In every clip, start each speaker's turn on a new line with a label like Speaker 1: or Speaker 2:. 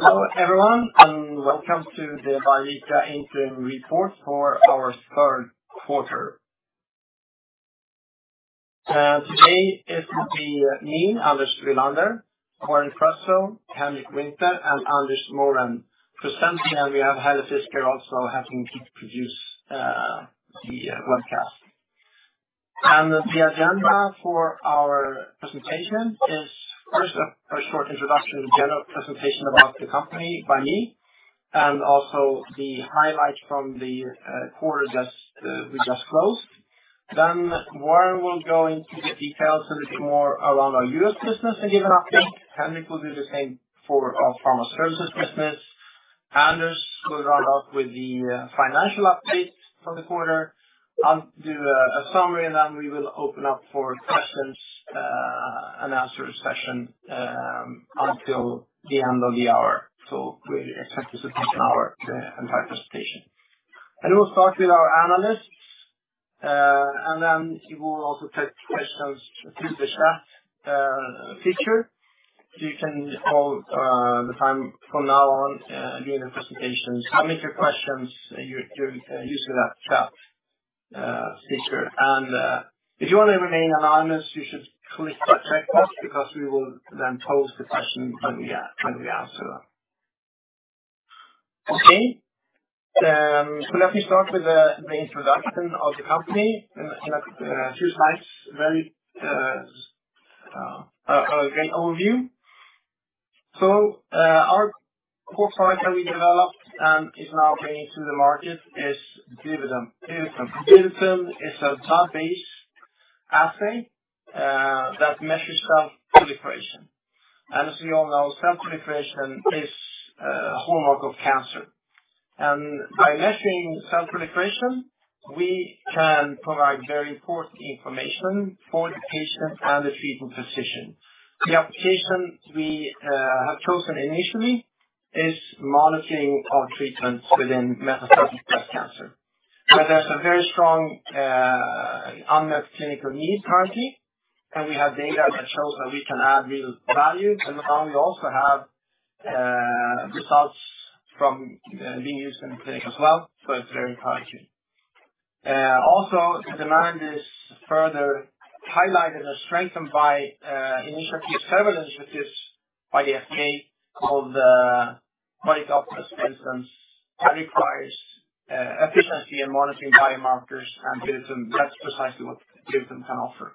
Speaker 1: Hello everyone and welcome to the Biovica Interim Report for our third quarter. Today it will be me, Anders Rylander, Warren Cresswell, Henrik Winther, and Anders Morén presenting, and we have Helle Fisker also helping to produce the webcast. The agenda for our presentation is first a short introduction, general presentation about the company by me, and also the highlight from the quarter we just closed. Then Warren will go into the details a little bit more around our US business and give an update. Henrik will do the same for our pharma services business. Anders will round off with the financial update for the quarter. I'll do a summary, and then we will open up for questions-and-answers session until the end of the hour. So we expect this to take an hour, the entire presentation. We'll start with our analysts, and then we'll also take questions through the chat feature. You can all, the time from now on, during the presentation, submit your questions and your use of that chat feature. If you wanna remain anonymous, you should click that checkbox because we will then pose the question when we answer that. Okay? So let me start with the introduction of the company in a few slides. Very a great overview. Our core product that we developed and is now bringing to the market is DiviTum. DiviTum. DiviTum is a blood-based assay that measures cell proliferation. And as we all know, cell proliferation is a hallmark of cancer. And by measuring cell proliferation, we can provide very important information for the patient and the treating physician. The application we have chosen initially is monitoring of treatments within metastatic breast cancer. But there's a very strong unmet clinical need currently, and we have data that shows that we can add real value. And now we also have results from being used in the clinic as well, so it's very encouraging. Also, the demand is further highlighted or strengthened by several initiatives by the FDA called Project Optimus, for instance, that requires efficiency in monitoring biomarkers and DiviTum. That's precisely what DiviTum can offer.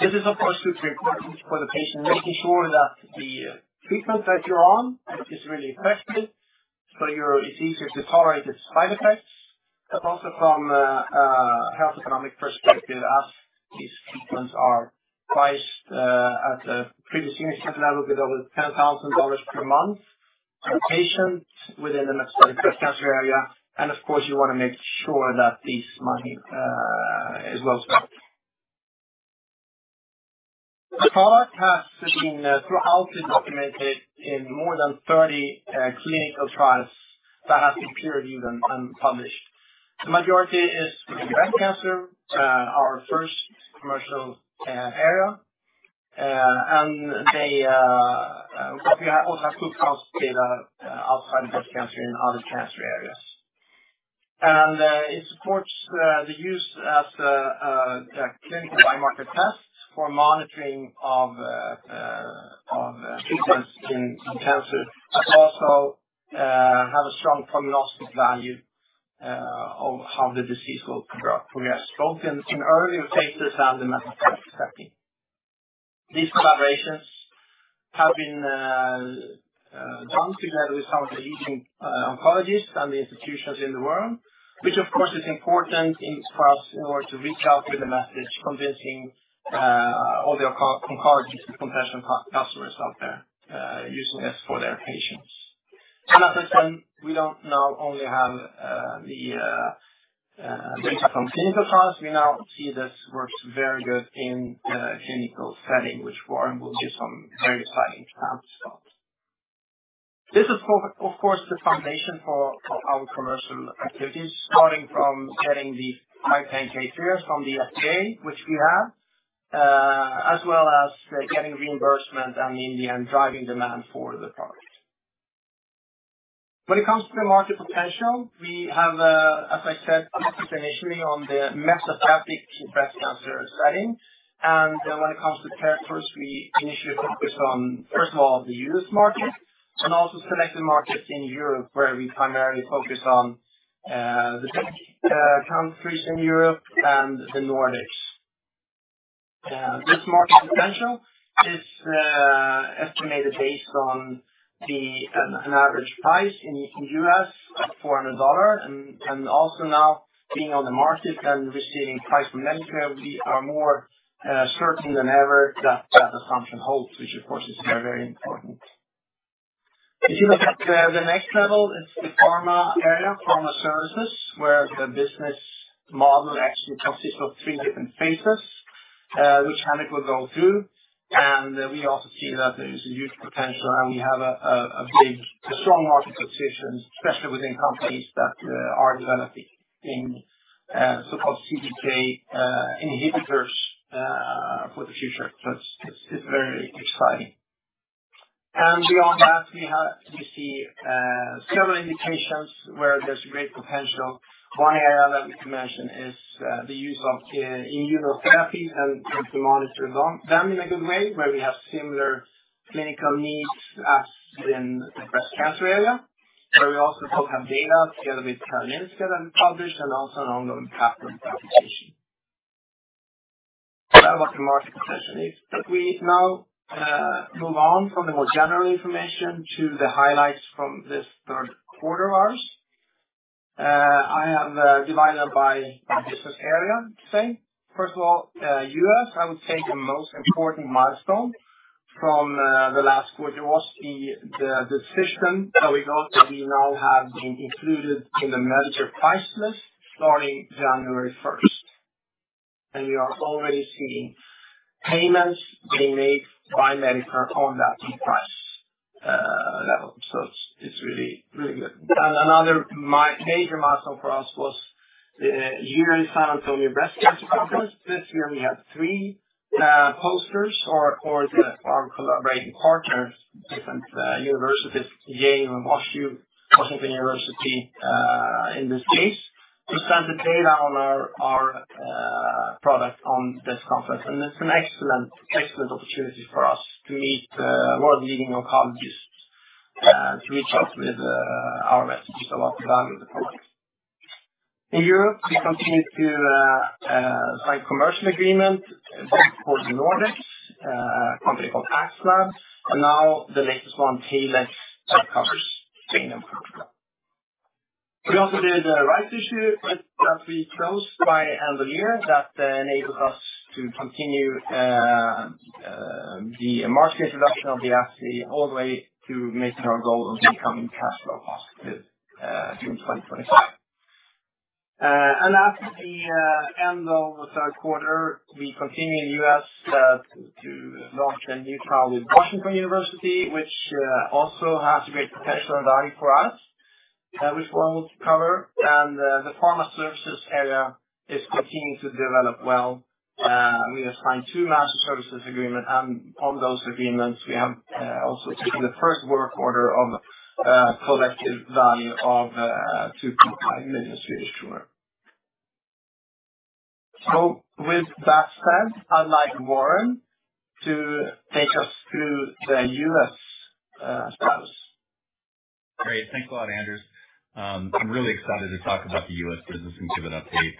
Speaker 1: This is, of course, super important for the patient, making sure that the treatment that you're on is really effective so it's easier to tolerate its side effects. But also from a health economic perspective, as these treatments are priced at the previously mentioned level, below the $10,000 per month per patient within the metastatic breast cancer area. Of course, you wanna make sure that these money is well spent. The product has been thoroughly documented in more than 30 clinical trials that have been peer-reviewed and published. The majority is within breast cancer, our first commercial area. We also have good counts of data outside of breast cancer in other cancer areas. It supports the use as a clinical biomarker test for monitoring of treatments in cancer. It also have a strong prognostic value of how the disease will progress, both in earlier phases and the metastatic setting. These collaborations have been done together with some of the leading oncologists and the institutions in the world, which, of course, is important for us in order to reach out with a message convincing all the oncologists and conventional customers out there, using this for their patients. As I said, we now not only have the data from clinical trials. We now see this works very good in clinical setting, which Warren will give some very exciting stats about. This is, of course, the foundation for our commercial activities, starting from getting the high-paying cases from the FDA, which we have, as well as getting reimbursement and, in the end, driving demand for the product. When it comes to the market potential, we have, as I said, focused initially on the metastatic breast cancer setting. When it comes to territories, we initially focus on, first of all, the U.S. market and also selected markets in Europe where we primarily focus on the big countries in Europe and the Nordics. This market potential is estimated based on an average price in the U.S. at $400. Also now being on the market and receiving price from Medicare, we are more certain than ever that that assumption holds, which, of course, is very, very important. If you look at the next level, it's the pharma area, pharma services, where the business model actually consists of three different phases, which Henrik will go through. We also see that there is a huge potential, and we have a big, a strong market position, especially within companies that are developing in so-called CDK inhibitors for the future. So it's very exciting. And beyond that, we see several indications where there's great potential. One area that we can mention is the use of immunotherapy and to monitor them in a good way where we have similar clinical needs as within the breast cancer area, where we also both have data together with Karolinska that we published and also an ongoing pathology application. That’s about the market potential. But we now move on from the more general information to the highlights from this third quarter of ours. I have divided them by business area today. First of all, U.S., I would say the most important milestone from the last quarter was the decision that we got that we now have been included in the Medicare price list starting January 1st. And we are already seeing payments being made by Medicare on that price level. So it’s really, really good. Another major milestone for us was the yearly San Antonio Breast Cancer Conference. This year, we had three posters or our collaborating partners, different universities, Yale and WashU, Washington University, in this case, who sent the data on our product on this conference. It's an excellent, excellent opportunity for us to meet world-leading oncologists, to reach out with our messages about the value of the product. In Europe, we continued to sign commercial agreements both for the Nordics, a company called Axlab, and now the latest one, Palex, covers Spain and Portugal. We also did a rights issue that we closed by end of the year that enabled us to continue the market introduction of the assay all the way to making our goal of becoming cash flow positive during 2025. At the end of the third quarter, we continue in the U.S. to launch a new trial with Washington University, which also has great potential and value for us, which Warren will cover. The pharma services area is continuing to develop well. We have signed two master services agreements, and on those agreements, we have also taken the first work order of collective value of SEK 2.5 million. So with that said, I'd like Warren to take us through the U.S. status.
Speaker 2: Great. Thanks a lot, Anders. I'm really excited to talk about the US business and give an update,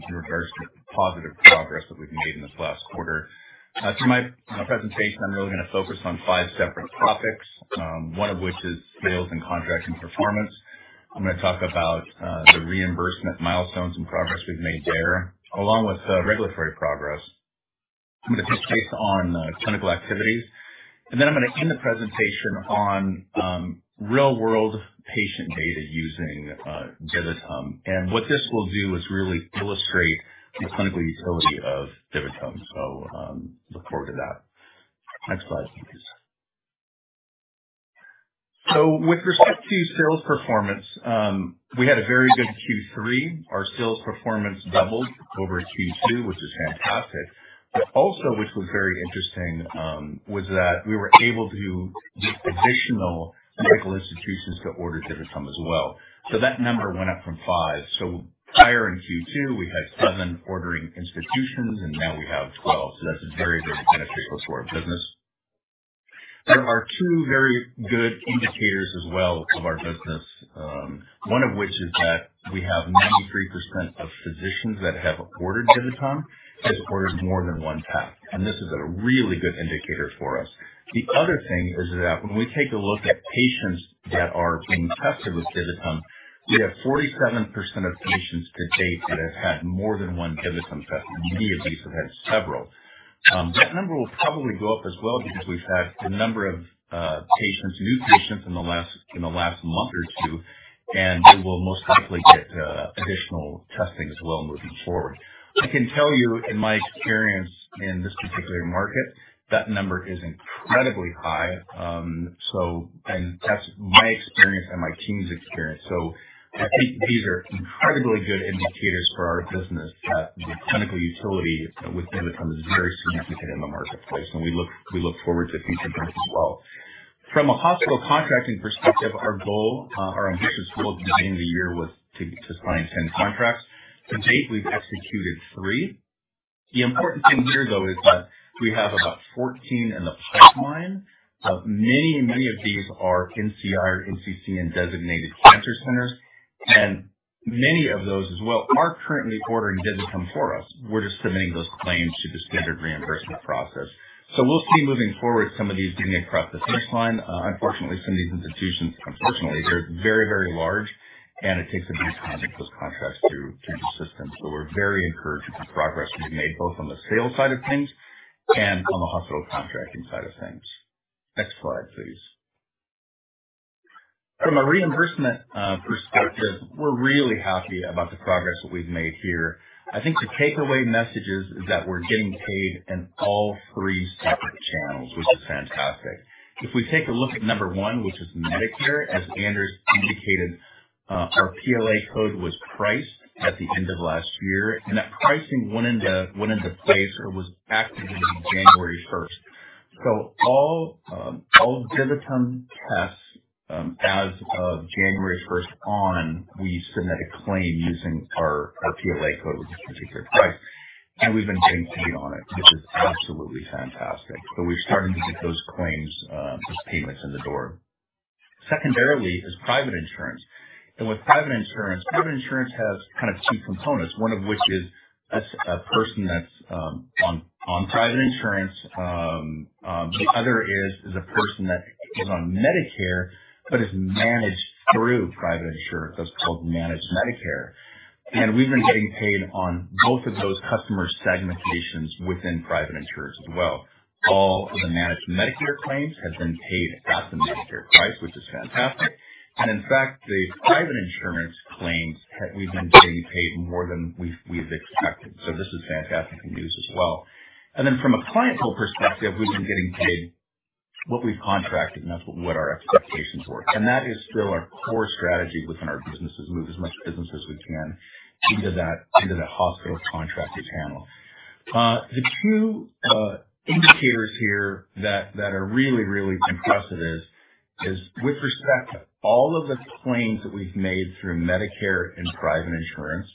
Speaker 2: in regards to the positive progress that we've made in this last quarter. Through my presentation, I'm really gonna focus on five separate topics, one of which is sales and contracting performance. I'm gonna talk about the reimbursement milestones and progress we've made there, along with regulatory progress. I'm gonna take space on clinical activities. And then I'm gonna end the presentation on real-world patient data using DiviTum. And what this will do is really illustrate the clinical utility of DiviTum. So, look forward to that. Next slide, please. So with respect to sales performance, we had a very good Q3. Our sales performance doubled over Q2, which is fantastic. But also, which was very interesting, was that we were able to get additional medical institutions to order DiviTum as well. So that number went up from 5. So prior in Q2, we had 7 ordering institutions, and now we have 12. So that's a very, very beneficial for our business. There are two very good indicators as well of our business, one of which is that we have 93% of physicians that have ordered DiviTum has ordered more than one test. And this is a really good indicator for us. The other thing is that when we take a look at patients that are being tested with DiviTum, we have 47% of patients to date that have had more than one DiviTum test. Many of these have had several. That number will probably go up as well because we've had a number of new patients in the last month or two, and they will most likely get additional testing as well moving forward. I can tell you, in my experience in this particular market, that number is incredibly high, so and that's my experience and my team's experience. So I think these are incredibly good indicators for our business that the clinical utility with DiviTum is very significant in the marketplace, and we look we look forward to future growth as well. From a hospital contracting perspective, our goal, our ambitious goal at the beginning of the year was to, to sign 10 contracts. To date, we've executed 3. The important thing here, though, is that we have about 14 in the pipeline. Many, many of these are NCI or NCCN designated cancer centers. Many of those as well are currently ordering DiviTum for us. We're just submitting those claims to the standard reimbursement process. So we'll see moving forward some of these getting across the finish line. Unfortunately, some of these institutions, unfortunately, they're very, very large, and it takes a bit of time for those contracts to sustain. So we're very encouraged with the progress we've made both on the sales side of things and on the hospital contracting side of things. Next slide, please. From a reimbursement perspective, we're really happy about the progress that we've made here. I think the takeaway message is that we're getting paid in all three separate channels, which is fantastic. If we take a look at number one, which is Medicare, as Anders indicated, our PLA code was priced at the end of last year. And that pricing went into place or was activated January 1st. So all DiviTum tests, as of January 1st on, we submit a claim using our PLA code with this particular price. We've been getting paid on it, which is absolutely fantastic. We're starting to get those claims, those payments in the door. Secondarily, private insurance. With private insurance, private insurance has kind of two components, one of which is the person that's on private insurance. The other is a person that is on Medicare but is managed through private insurance. That's called managed Medicare. We've been getting paid on both of those customer segmentations within private insurance as well. All of the managed Medicare claims have been paid at the Medicare price, which is fantastic. In fact, the private insurance claims, we've been getting paid more than we've expected. This is fantastic news as well. Then from a clientele perspective, we've been getting paid what we've contracted, and that's what our expectations were. That is still our core strategy within our businesses, move as much business as we can into that hospital contracting channel. The two indicators here that are really impressive is with respect to all of the claims that we've made through Medicare and private insurance,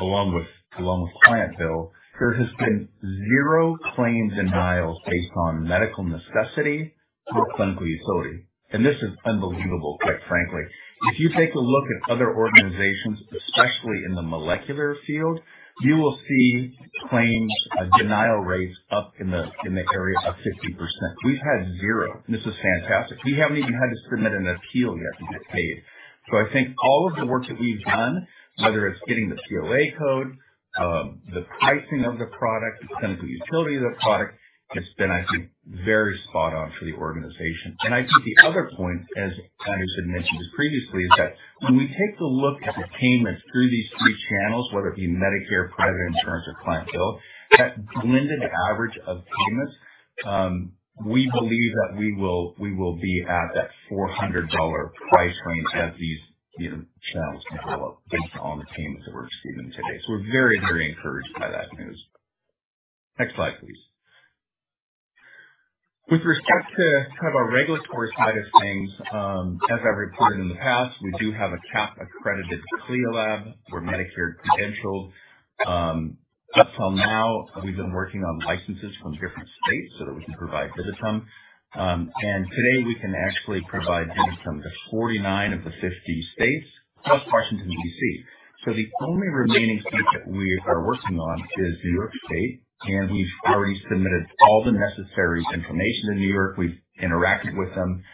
Speaker 2: along with client bill, there has been zero claim denials based on medical necessity or clinical utility. This is unbelievable, quite frankly. If you take a look at other organizations, especially in the molecular field, you will see claims denial rates up in the area of 50%. We've had zero. This is fantastic. We haven't even had to submit an appeal yet to get paid. So I think all of the work that we've done, whether it's getting the PLA code, the pricing of the product, the clinical utility of the product, has been, I think, very spot on for the organization. And I think the other point, as Anders had mentioned this previously, is that when we take a look at the payments through these three channels, whether it be Medicare, private insurance, or Client Bill, that blended average of payments, we believe that we will be at that $400 price range as these, you know, channels develop based on the payments that we're receiving today. So we're very, very encouraged by that news. Next slide, please. With respect to kind of our regulatory side of things, as I've reported in the past, we do have a CAP accredited CLIA lab. We're Medicare credentialed. Up till now, we've been working on licenses from different states so that we can provide DiviTum TKa. Today, we can actually provide DiviTum TKA to 49 of the 50 states plus Washington, D.C. The only remaining state that we are working on is New York State. We've already submitted all the necessary information to New York. We've interacted with them.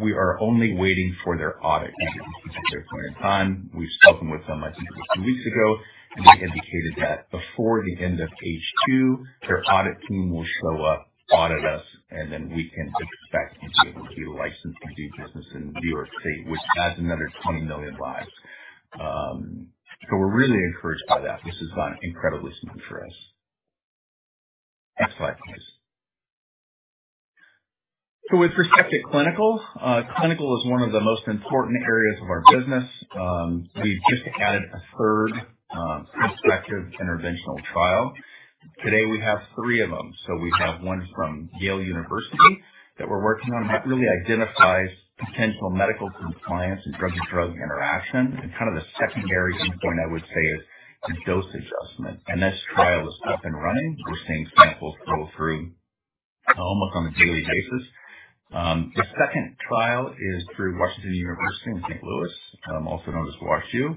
Speaker 2: We are only waiting for their audit at a specific point in time. We've spoken with them, I think, it was 2 weeks ago. They indicated that before the end of H2, their audit team will show up, audit us, and then we can expect to be able to be licensed to do business in New York State, which adds another 20 million lives. We're really encouraged by that. This has gone incredibly smooth for us. Next slide, please. So with respect to clinical, clinical is one of the most important areas of our business. We've just added a third prospective interventional trial. Today, we have three of them. So we have one from Yale University that we're working on that really identifies potential medical compliance and drug-to-drug interaction. And kind of the secondary endpoint, I would say, is the dose adjustment. And this trial is up and running. We're seeing samples roll through, almost on a daily basis. The second trial is through Washington University in St. Louis, also known as WashU.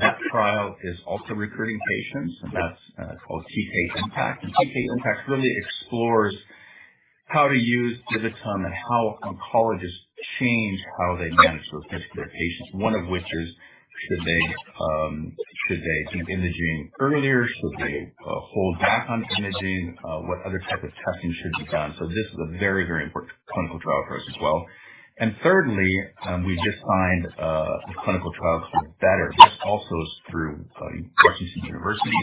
Speaker 2: That trial is also recruiting patients, and that's called TK Impact. And TK Impact really explores how to use DiviTum and how oncologists change how they manage those particular patients, one of which is should they, should they do imaging earlier? Should they hold back on imaging? What other type of testing should be done? So this is a very, very important clinical trial for us as well. Thirdly, we just signed a clinical trial called BETTER. This also is through Washington University.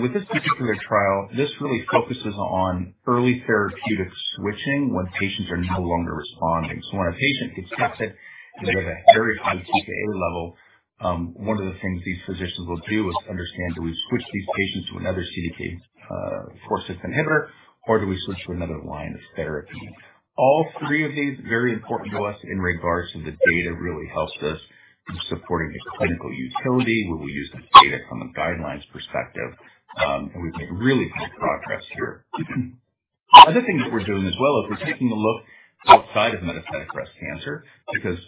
Speaker 2: With this particular trial, this really focuses on early therapeutic switching when patients are no longer responding. So when a patient gets tested and they have a very high TKA level, one of the things these physicians will do is understand, do we switch these patients to another CDK 4/6 inhibitor, or do we switch to another line of therapy? All three of these are very important to us in regards to the data really helps us in supporting the clinical utility. We'll use the data from a guidelines perspective, and we've made really good progress here. Other things that we're doing as well is we're taking a look outside of metastatic breast cancer because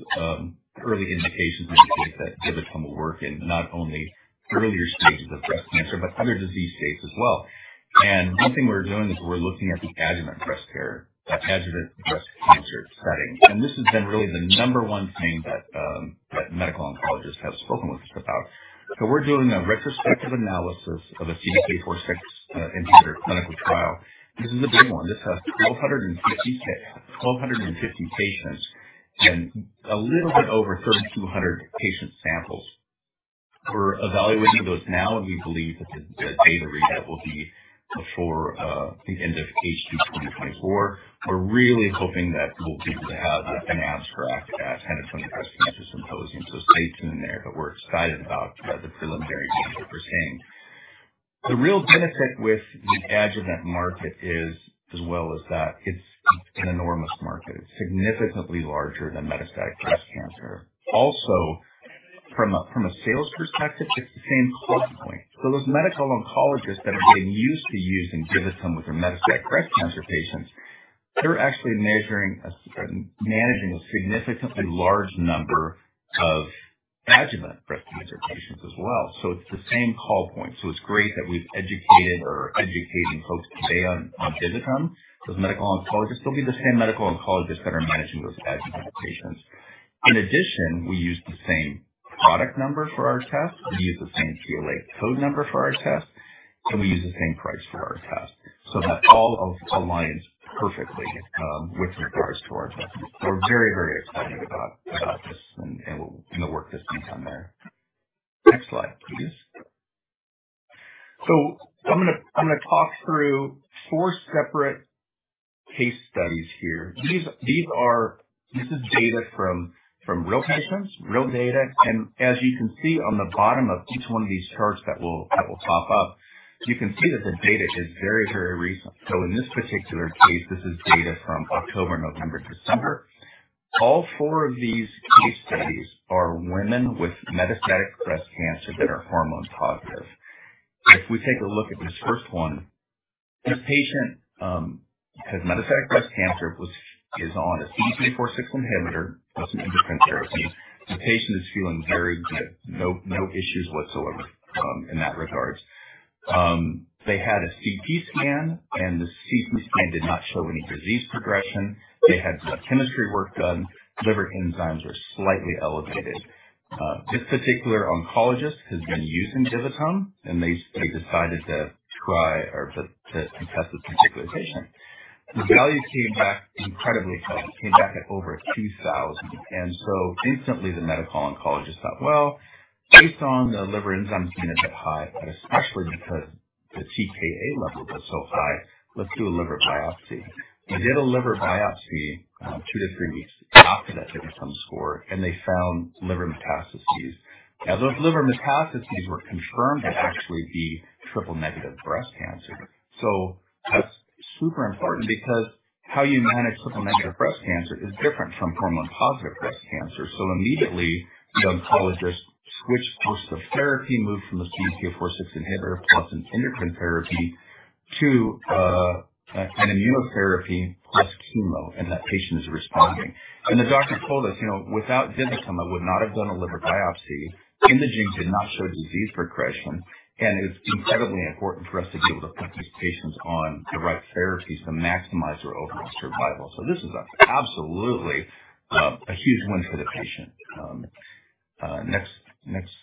Speaker 2: early indications indicate that DiviTum TKa will work in not only earlier stages of breast cancer but other disease states as well. One thing we're doing is we're looking at the adjuvant breast cancer setting. This has been really the number one thing that medical oncologists have spoken with us about. So we're doing a retrospective analysis of a CDK 4/6 inhibitor clinical trial. This is a big one. This has 1,250 patients and a little bit over 3,200 patient samples. We're evaluating those now, and we believe that the data read-out will be before the end of H2 2024. We're really hoping that we'll be able to have an abstract at San Antonio Breast Cancer Symposium. So stay tuned there. But we're excited about the preliminary data that we're seeing. The real benefit with the adjuvant market is, as well as that, it's an enormous market. It's significantly larger than metastatic breast cancer. Also, from a sales perspective, it's the same call point. So those medical oncologists that have been used to using DiviTum with their metastatic breast cancer patients, they're actually managing a significantly large number of adjuvant breast cancer patients as well. So it's the same call point. So it's great that we've educated or are educating folks today on DiviTum. Those medical oncologists, they'll be the same medical oncologists that are managing those adjuvant patients. In addition, we use the same product number for our tests. We use the same PLA code number for our tests. We use the same price for our tests so that all aligns perfectly, with regards to our testing. We're very excited about this and the work that's being done there. Next slide, please. I'm gonna talk through four separate case studies here. This is data from real patients, real data. As you can see on the bottom of each one of these charts that will pop up, you can see that the data is very recent. In this particular case, this is data from October, November, December. All four of these case studies are women with metastatic breast cancer that are hormone positive. If we take a look at this first one, this patient has metastatic breast cancer, is on a CDK 4/6 inhibitor, some endocrine therapy. The patient is feeling very good. No, no issues whatsoever, in that regard. They had a CT scan, and the CT scan did not show any disease progression. They had blood chemistry work done. Liver enzymes are slightly elevated. This particular oncologist has been using DiviTum, and they, they decided to try or to, to test this particular patient. The value came back incredibly high. It came back at over 2,000. And so instantly, the medical oncologist thought, "Well, based on the liver enzymes being a bit high, but especially because the TKa level was so high, let's do a liver biopsy." They did a liver biopsy, 2-3 weeks after that DiviTum score, and they found liver metastases. Now, those liver metastases were confirmed to actually be triple-negative breast cancer. So that's super important because how you manage triple-negative breast cancer is different from hormone-positive breast cancer. So immediately, the oncologist switched course of therapy, moved from the CDK 4/6 inhibitor plus an endocrine therapy to an immunotherapy plus chemo, and that patient is responding. And the doctor told us, you know, "Without DiviTum, I would not have done a liver biopsy. Imaging did not show disease progression. And it's incredibly important for us to be able to put these patients on the right therapies to maximize their overall survival." So this is absolutely a huge win for the patient. Next, next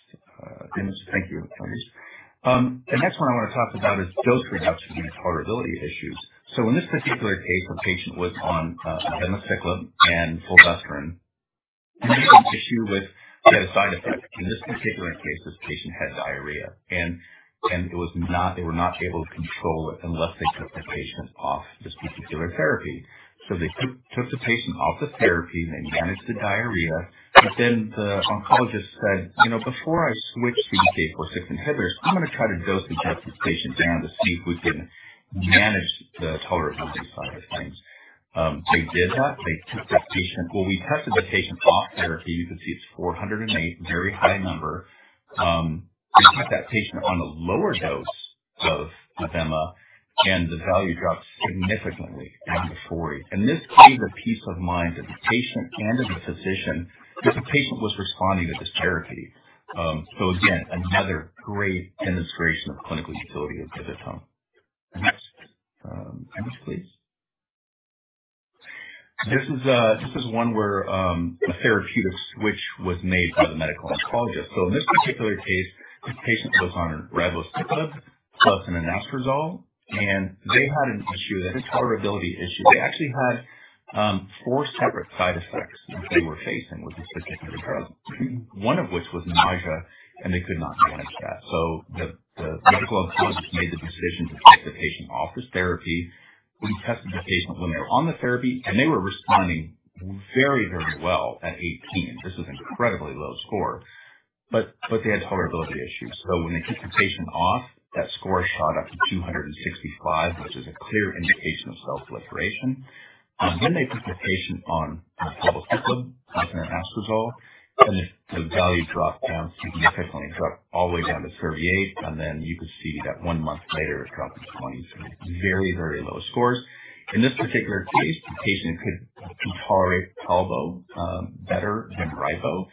Speaker 2: image. Thank you, Anders. The next one I wanna talk about is dose reduction and tolerability issues. So in this particular case, a patient was on abemaciclib and fulvestrant. And they had an issue with a side effect. In this particular case, this patient had diarrhea. And it was not. They were not able to control it unless they took the patient off this particular therapy. So they took the patient off the therapy. They managed the diarrhea. But then the oncologist said, "You know, before I switch CDK 4/6 inhibitors, I'm gonna try to dose-adjust this patient down to see if we can manage the tolerability side of things." They did that. They took the patient. Well, we tested the patient off therapy. You can see it's 408, very high number. We put that patient on a lower dose of abemaciclib, and the value dropped significantly down to 40. And this gave the peace of mind to the patient and to the physician that the patient was responding to this therapy. So again, another great demonstration of clinical utility of DiviTum TKa. Next, image, please. This is one where a therapeutic switch was made by the medical oncologist. So in this particular case, this patient was on ribociclib plus anastrozole. And they had an issue, a tolerability issue. They actually had four separate side effects that they were facing with this particular drug, one of which was nausea, and they could not manage that. So the medical oncologist made the decision to take the patient off this therapy. We tested the patient when they were on the therapy, and they were responding very, very well at 18. This is an incredibly low score. But they had tolerability issues. So when they took the patient off, that score shot up to 265, which is a clear indication of cell proliferation. Then they took the patient on abemaciclib plus anastrozole, and the value dropped down significantly, dropped all the way down to 38. And then you could see that one month later, it dropped to 20. So very, very low scores. In this particular case, the patient could Palbo better than Ribo,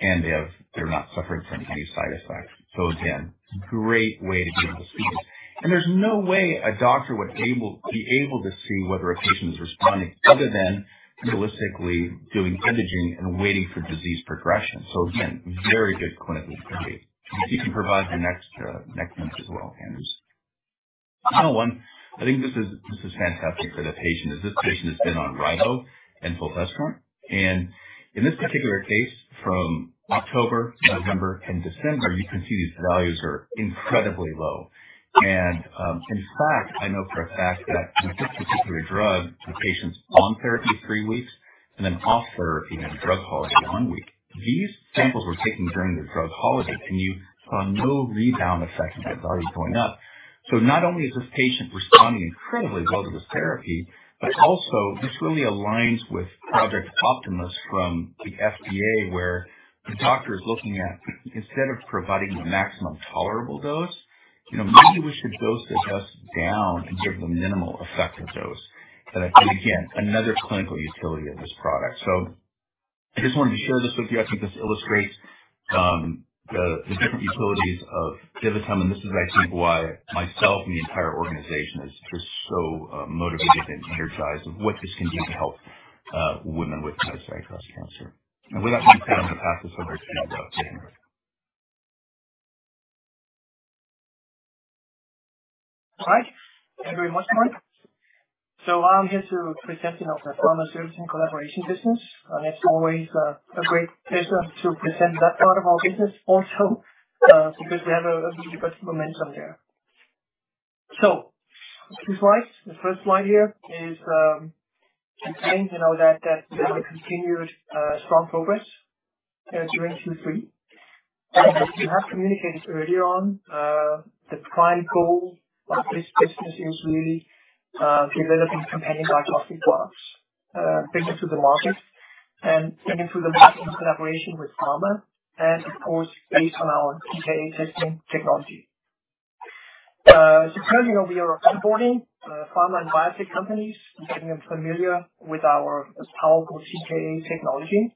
Speaker 2: and they're not suffering from any side effects. So again, great way to be able to see this. And there's no way a doctor would be able to see whether a patient is responding other than holistically doing imaging and waiting for disease progression. So again, very good clinical utility. If you can provide the next image as well, Anders. Another one. I think this is fantastic for the patient. This patient has been on Ribo and fulvestrant. And in this particular case, from October, November, and December, you can see these values are incredibly low. And, in fact, I know for a fact that with this particular drug, the patient's on therapy three weeks and then off therapy during drug holiday one week. These samples were taken during their drug holiday, and you saw no rebound effect in that value going up. So not only is this patient responding incredibly well to this therapy, but also, this really aligns with Project Optimus from the FDA where the doctor is looking at, instead of providing the maximum tolerable dose, you know, maybe we should dose-adjust down and give the minimal effective dose. And, and again, another clinical utility of this product. So I just wanted to share this with you. I think this illustrates the different utilities of Dividend. This is, I think, why myself and the entire organization is just so motivated and energized of what this can do to help women with metastatic breast cancer. With that being said, I'm gonna pass this over to Henrik. All right. Thank you very much, Warren. Here to present our pharma services and collaboration business. It's always a great pleasure to present that part of our business also, because we have a good momentum there. Two slides. The first slide here is to say, you know, that we have continued strong progress during Q3. As we have communicated earlier on, the prime goal of this business is really developing companion diagnostic products, bringing them to the market and bringing them to the market in collaboration with pharma and, of course, based on our TKA testing technology. So currently, you know, we are onboarding pharma and biopsy companies and getting them familiar with our powerful TKA technology.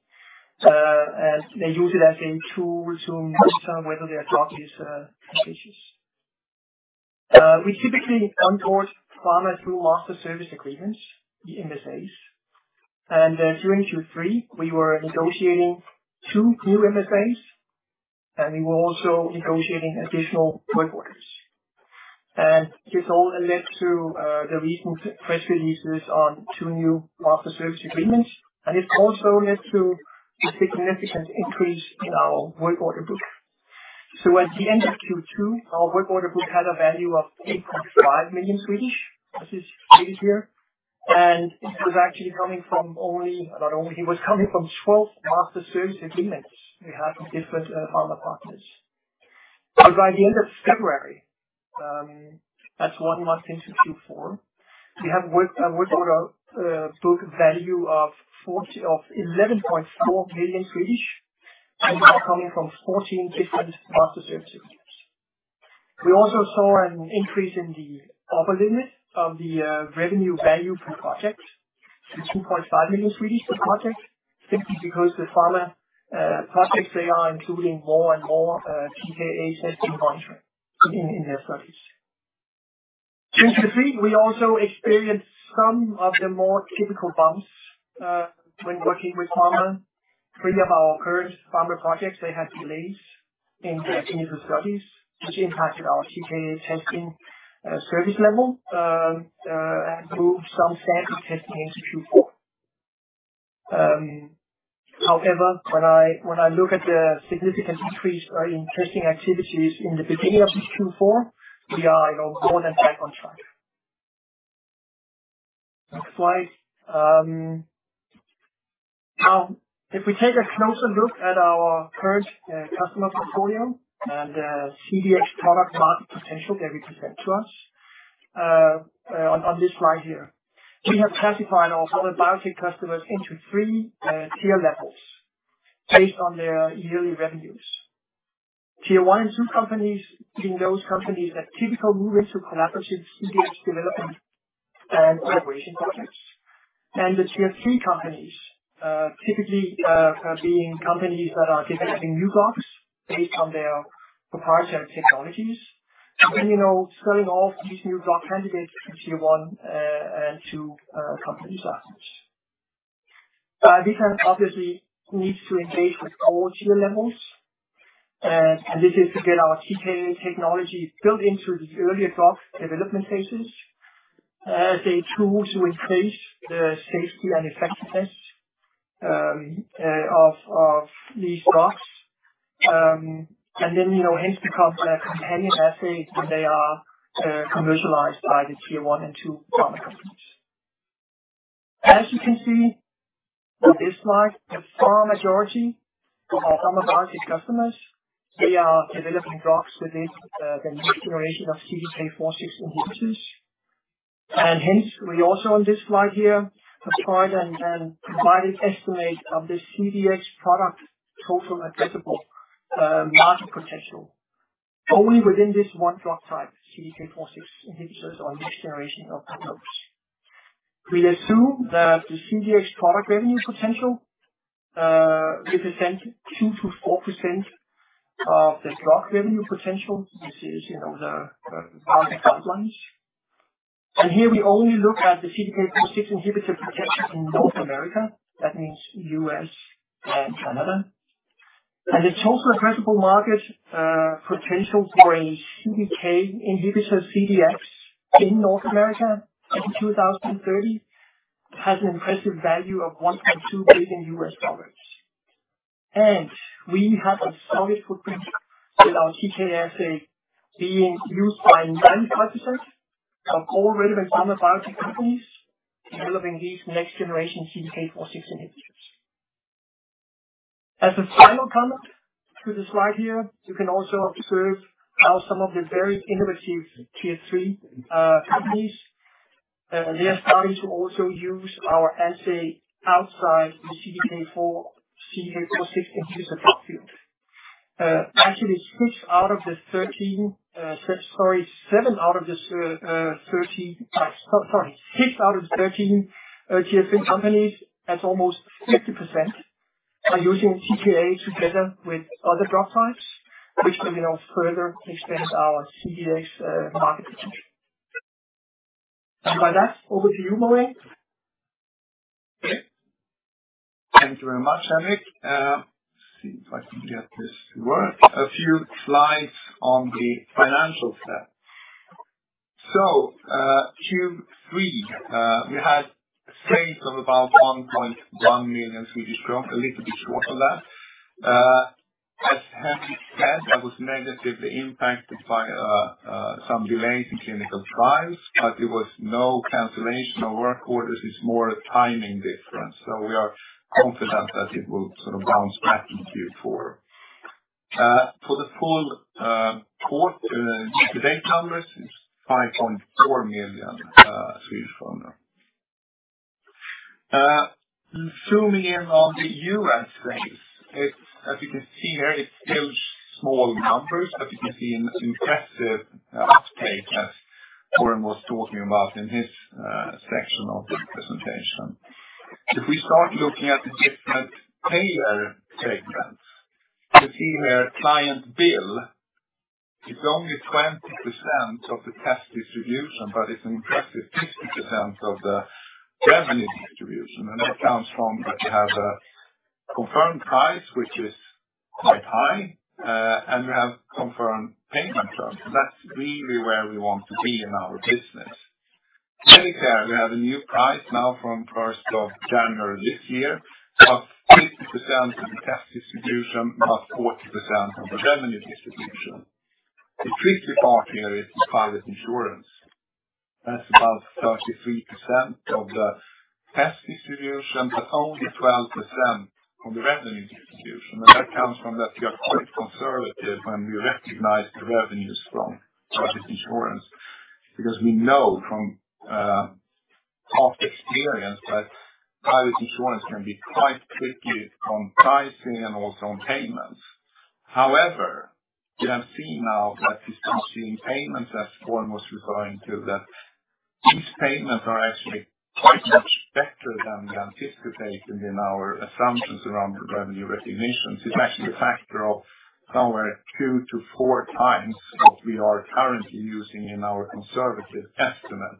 Speaker 2: And they use it as a tool to monitor whether their drug is contagious. We typically onboard pharma through master service agreements, the MSAs. And during Q3, we were negotiating two new MSAs, and we were also negotiating additional work orders. And this all led to the recent press releases on two new master service agreements. And it also led to a significant increase in our work order book. So at the end of Q2, our work order book had a value of 8.5 million, as is stated here. And it was actually coming from not only 12 master service agreements we had from different pharma partners. But by the end of February, that's one month into Q4, we have a work order book value of 11.4 million. And we are coming from 14 different master service agreements. We also saw an increase in the upper limit of the revenue value per project to 2.5 million per project simply because the pharma projects they are including more and more TKA testing monitoring in their studies. During Q3, we also experienced some of the more typical bumps when working with pharma. Three of our current pharma projects they had delays in their initial studies, which impacted our TKA testing service level, and moved some sample testing into Q4. However, when I look at the significant increase in testing activities in the beginning of this Q4, we are, you know, more than back on track. Next slide. Now, if we take a closer look at our current customer portfolio and CDX product market potential that we present to us on this slide here, we have classified our pharma biopsy customers into three tier levels based on their yearly revenues. Tier one and two companies being those companies that typically move into collaborative CDX development and collaboration projects. And the tier three companies, typically, being companies that are developing new drugs based on their proprietary technologies and then, you know, selling all of these new drug candidates to tier one and two companies afterwards. We can obviously need to engage with all tier levels. This is to get our TKa technology built into the earlier drug development phases, as a tool to increase the safety and effectiveness of these drugs, and then, you know, hence become a companion asset when they are commercialized by the tier one and two pharma companies. As you can see on this slide, the far majority of our pharma biopsy customers, they are developing drugs within the new generation of CDK 4/6 inhibitors. Hence, we also on this slide here have tried and provided estimates of the CDx product total addressable market potential only within this one drug type, CDK 4/6 inhibitors, or new generation of drugs. We assume that the CDx product revenue potential represents 2%-4% of the drug revenue potential. This is, you know, the market guidelines. Here, we only look at the CDK 4/6 inhibitor potential in North America. That means US and Canada. The total addressable market, potential for a CDK inhibitor, CDX, in North America in 2030 has an impressive value of $1.2 billion. We have a solid footprint with our TKA asset being used by 95% of all relevant pharma biopsy companies developing these next generation CDK 4/6 inhibitors. As a final comment to the slide here, you can also observe how some of the very innovative tier three companies, they are starting to also use our asset outside the CDK 4/6 inhibitor drug field. Actually, 7 out of the 13. Six out of the 13 tier three companies, that's almost 50%, are using TKA together with other drug types, which will, you know, further expand our CDX market potential. And by that, over to you, Morén. Okay. Thank you very much, Anders. Let's see if I can get this to work. A few slides on the financials there. So, Q3, we had sales of about 1.1 million Swedish crown, a little bit short of that. As Henrik said, that was negatively impacted by some delays in clinical trials, but there was no cancellation or work orders. It's more a timing difference. So we are confident that it will sort of bounce back into Q4. For the full quarter to date numbers, it's 5.4 million. Zooming in on the U.S. sales, it's as you can see here, it's still small numbers, but you can see an impressive uptake as Warren was talking about in his section of the presentation. If we start looking at the different payer segments, you can see here client bill, it's only 20% of the test distribution, but it's an impressive 50% of the revenue distribution. And that comes from that you have a confirmed price, which is quite high, and you have confirmed payment terms. That's really where we want to be in our business. Medicare, we have a new price now from 1st of January this year, about 50% of the test distribution, about 40% of the revenue distribution. The tricky part here is private insurance. That's about 33% of the test distribution, but only 12% of the revenue distribution. That comes from that we are quite conservative when we recognize the revenues from private insurance because we know from past experience that private insurance can be quite tricky on pricing and also on payments. However, we have seen now that distributing payments, as Warren was referring to, that these payments are actually quite much better than the anticipated in our assumptions around revenue recognition. It's actually a factor of somewhere 2-4 times what we are currently using in our conservative estimate.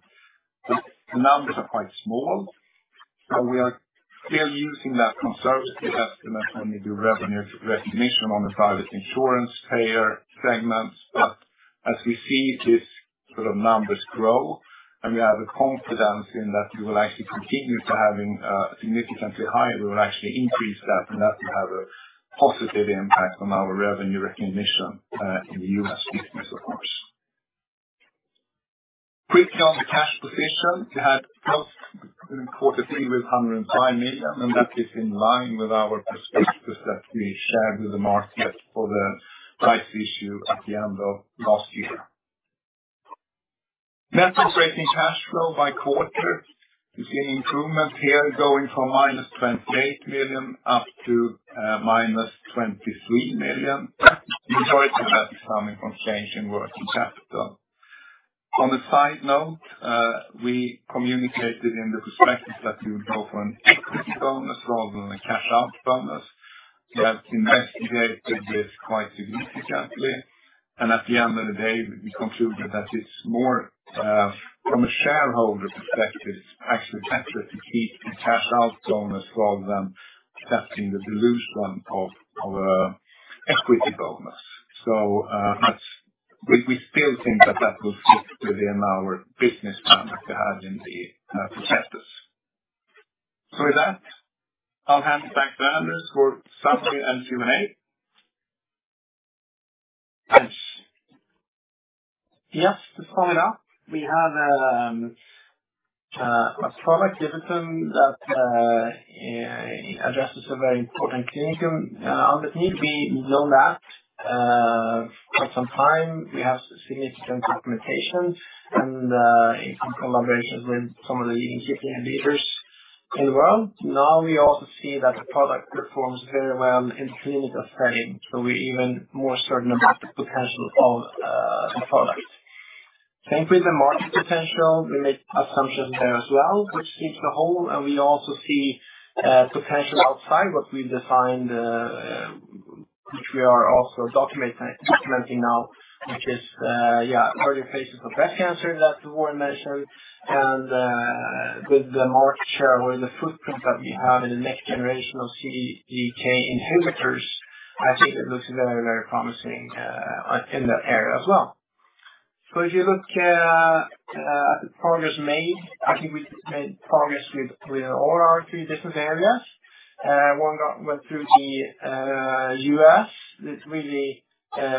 Speaker 2: The numbers are quite small, so we are still using that conservative estimate when we do revenue recognition on the private insurance payer segments. But as we see these sort of numbers grow and we have a confidence in that we will actually continue to have a significantly higher, we will actually increase that, and that will have a positive impact on our revenue recognition, in the US business, of course. Quickly on the cash position, we had close to quarter three with 105 million, and that is in line with our perspectives that we shared with the market for the price issue at the end of last year. Net operating cash flow by quarter. You see an improvement here going from minus 28 million up to minus 23 million. Majority of that is coming from change in working capital. On a side note, we communicated in the perspective that we would go for an equity bonus rather than a cash-out bonus. We have investigated this quite significantly. At the end of the day, we concluded that it's more, from a shareholder perspective, it's actually better to keep the cash-out bonus rather than accepting the dilution of, of an equity bonus. So, that's we, we still think that that will fit within our business plan that we had in the, processes. So with that, I'll hand it back to Anders for summary and Q&A.
Speaker 1: Thanks. Yes. To sum it up, we have, a product, DiviTum, that, addresses a very important clinical need. We've known that, for quite some time. We have significant implementation and, in some collaborations with some of the leading CAP leaders in the world. Now, we also see that the product performs very well in the clinical setting, so we're even more certain about the potential of, the product. Same with the market potential. We make assumptions there as well, which seems to hold. We also see potential outside what we've defined, which we are also documenting now, which is, yeah, earlier phases of breast cancer that Warren mentioned. With the market share or the footprint that we have in the next generation of CDK inhibitors, I think it looks very, very promising in that area as well. So if you look at the progress made, I think we made progress with all our three business areas. One got went through the U.S. It really,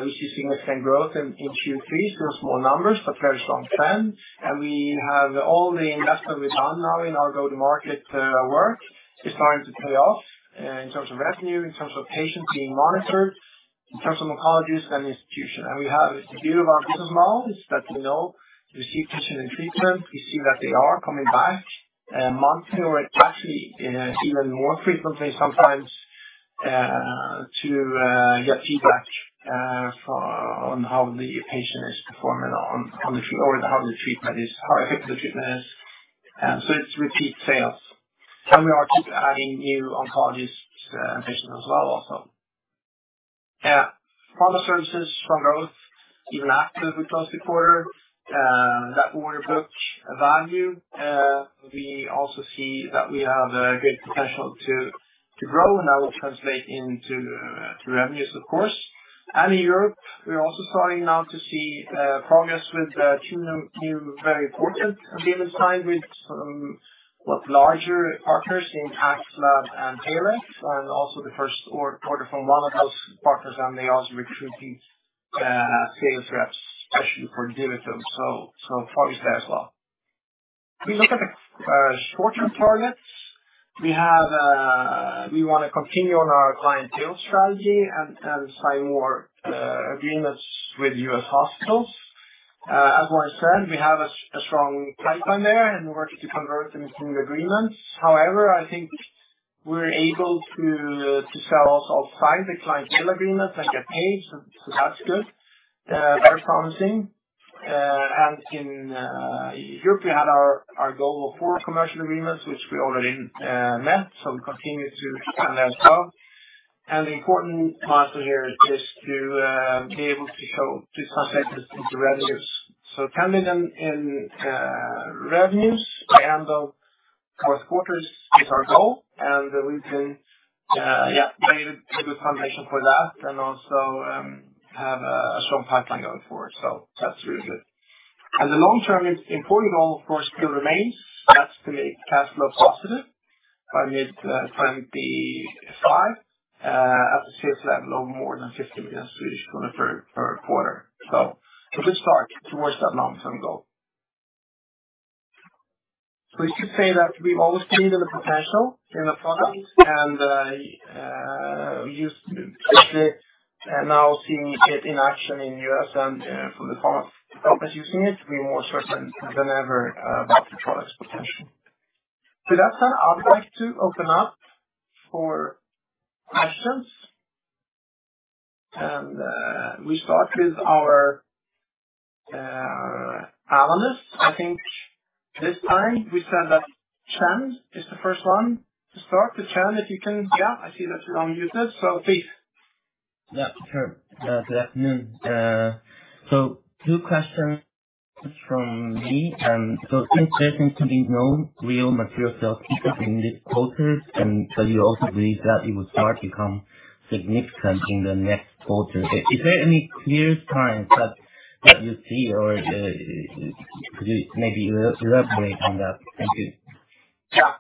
Speaker 1: we see significant growth in Q3. Still small numbers, but very strong trend. We have all the investment we've done now in our go-to-market work is starting to pay off in terms of revenue, in terms of patients being monitored, in terms of oncologists and institutions. We have the beauty of our business model is that we know we see patient in treatment. We see that they are coming back monthly or actually even more frequently sometimes to get feedback from on how the patient is performing on the treatment or how the treatment is, how effective the treatment is. And so it's repeat sales. And we are keeping adding new oncologists, patients as well also. Pharma services, strong growth even after we closed the quarter. That order book value, we also see that we have a great potential to grow, and that will translate into revenues, of course. And in Europe, we're also starting now to see progress with two new very important agreements signed with some somewhat larger partners in Axlab and Palex, and also the first order from one of those partners, and they also recruit these sales reps, especially for DiviTum. So progress there as well. If we look at the short-term targets, we want to continue on our client deal strategy and sign more agreements with U.S. hospitals. As Warren said, we have a strong pipeline there, and we're working to convert them into new agreements. However, I think we're able to sell also outside the client deal agreements and get paid. So that's good. Very promising. And in Europe, we had our goal of 4 commercial agreements, which we already met. So we continue to expand there as well. And the important milestone here is to be able to show to translate this into revenues. So 10 million in revenues by end of fourth quarter is our goal. And we've been, yeah, laid a good foundation for that and also have a strong pipeline going forward. So that's really good. The long-term important goal, of course, still remains. That's to make cash flow positive by mid-2025, at the sales level of more than 50 million Swedish kronor per quarter. A good start towards that long-term goal. We should say that we've always believed in the potential in the product and used to see it and now seeing it in action in U.S. and, from the pharma companies using it, to be more certain than ever about the product's potential. With that said, I'd like to open up for questions. We start with our analysts. I think this time, we said that Chen is the first one to start. So Chen, if you can yeah, I see that you're on mute. So please.
Speaker 3: Yeah. Sure. Good afternoon. So two questions from me. So is there going to be no real material sales peak in this quarter? But you also believe that it will start to become significant in the next quarter. Is there any clear signs that you see or could you maybe elaborate on that? Thank you.
Speaker 1: Yeah.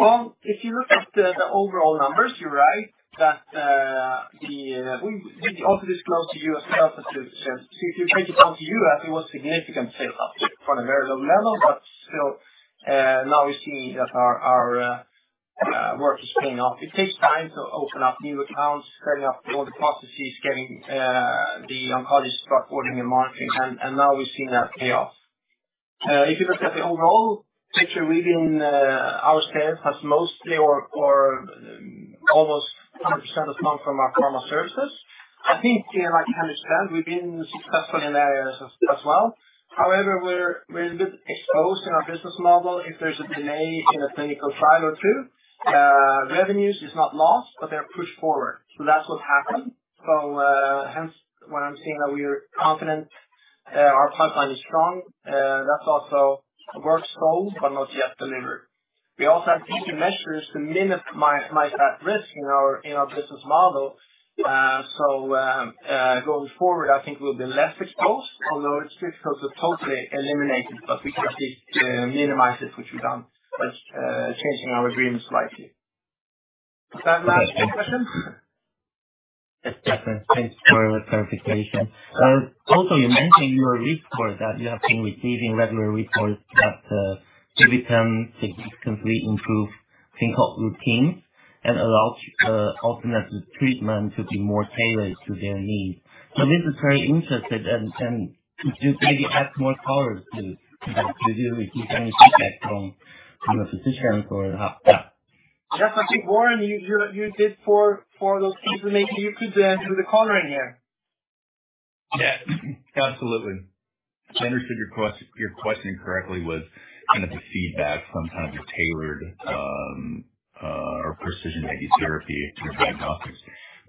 Speaker 1: Well, if you look at the overall numbers, you're right that we also disclosed the U.S. sales attribution. So if you break it down to U.S., it was significant sales up from a very low level, but still, now we're seeing that our work is paying off. It takes time to open up new accounts, setting up all the processes, getting the oncologists start ordering and monitoring. And now we've seen that pay off. If you look at the overall picture, our sales has mostly or almost 100% has come from our pharma services. I think, like Henry said, we've been successful in areas as, as well. However, we're, we're a bit exposed in our business model. If there's a delay in a clinical trial or two, revenues is not lost, but they're pushed forward. So that's what's happened. So, hence, when I'm seeing that we are confident, our pipeline is strong, that's also work sold but not yet delivered. We also have different measures to minimize, minimize that risk in our, in our business model. So, going forward, I think we'll be less exposed, although it's difficult to totally eliminate it, but we can at least, minimize it, which we've done by, changing our agreement slightly. Does that match the question?
Speaker 3: Yes, definitely. Thanks for clarification. You mentioned in your report that you have been receiving regular reports that DiviTum TKa significantly improved clinical routines and allowed alternative treatment to be more tailored to their needs. So this is very interesting. Could you maybe add some more colors to that? Do you receive any feedback from the physicians or how? Yeah. Yes. I think, Warren, you did four of those pieces. Maybe you could do the coloring here.
Speaker 2: Yeah. Absolutely. I understood your question correctly was kind of the feedback, some kind of a tailored or precision medicine therapy to the diagnostics.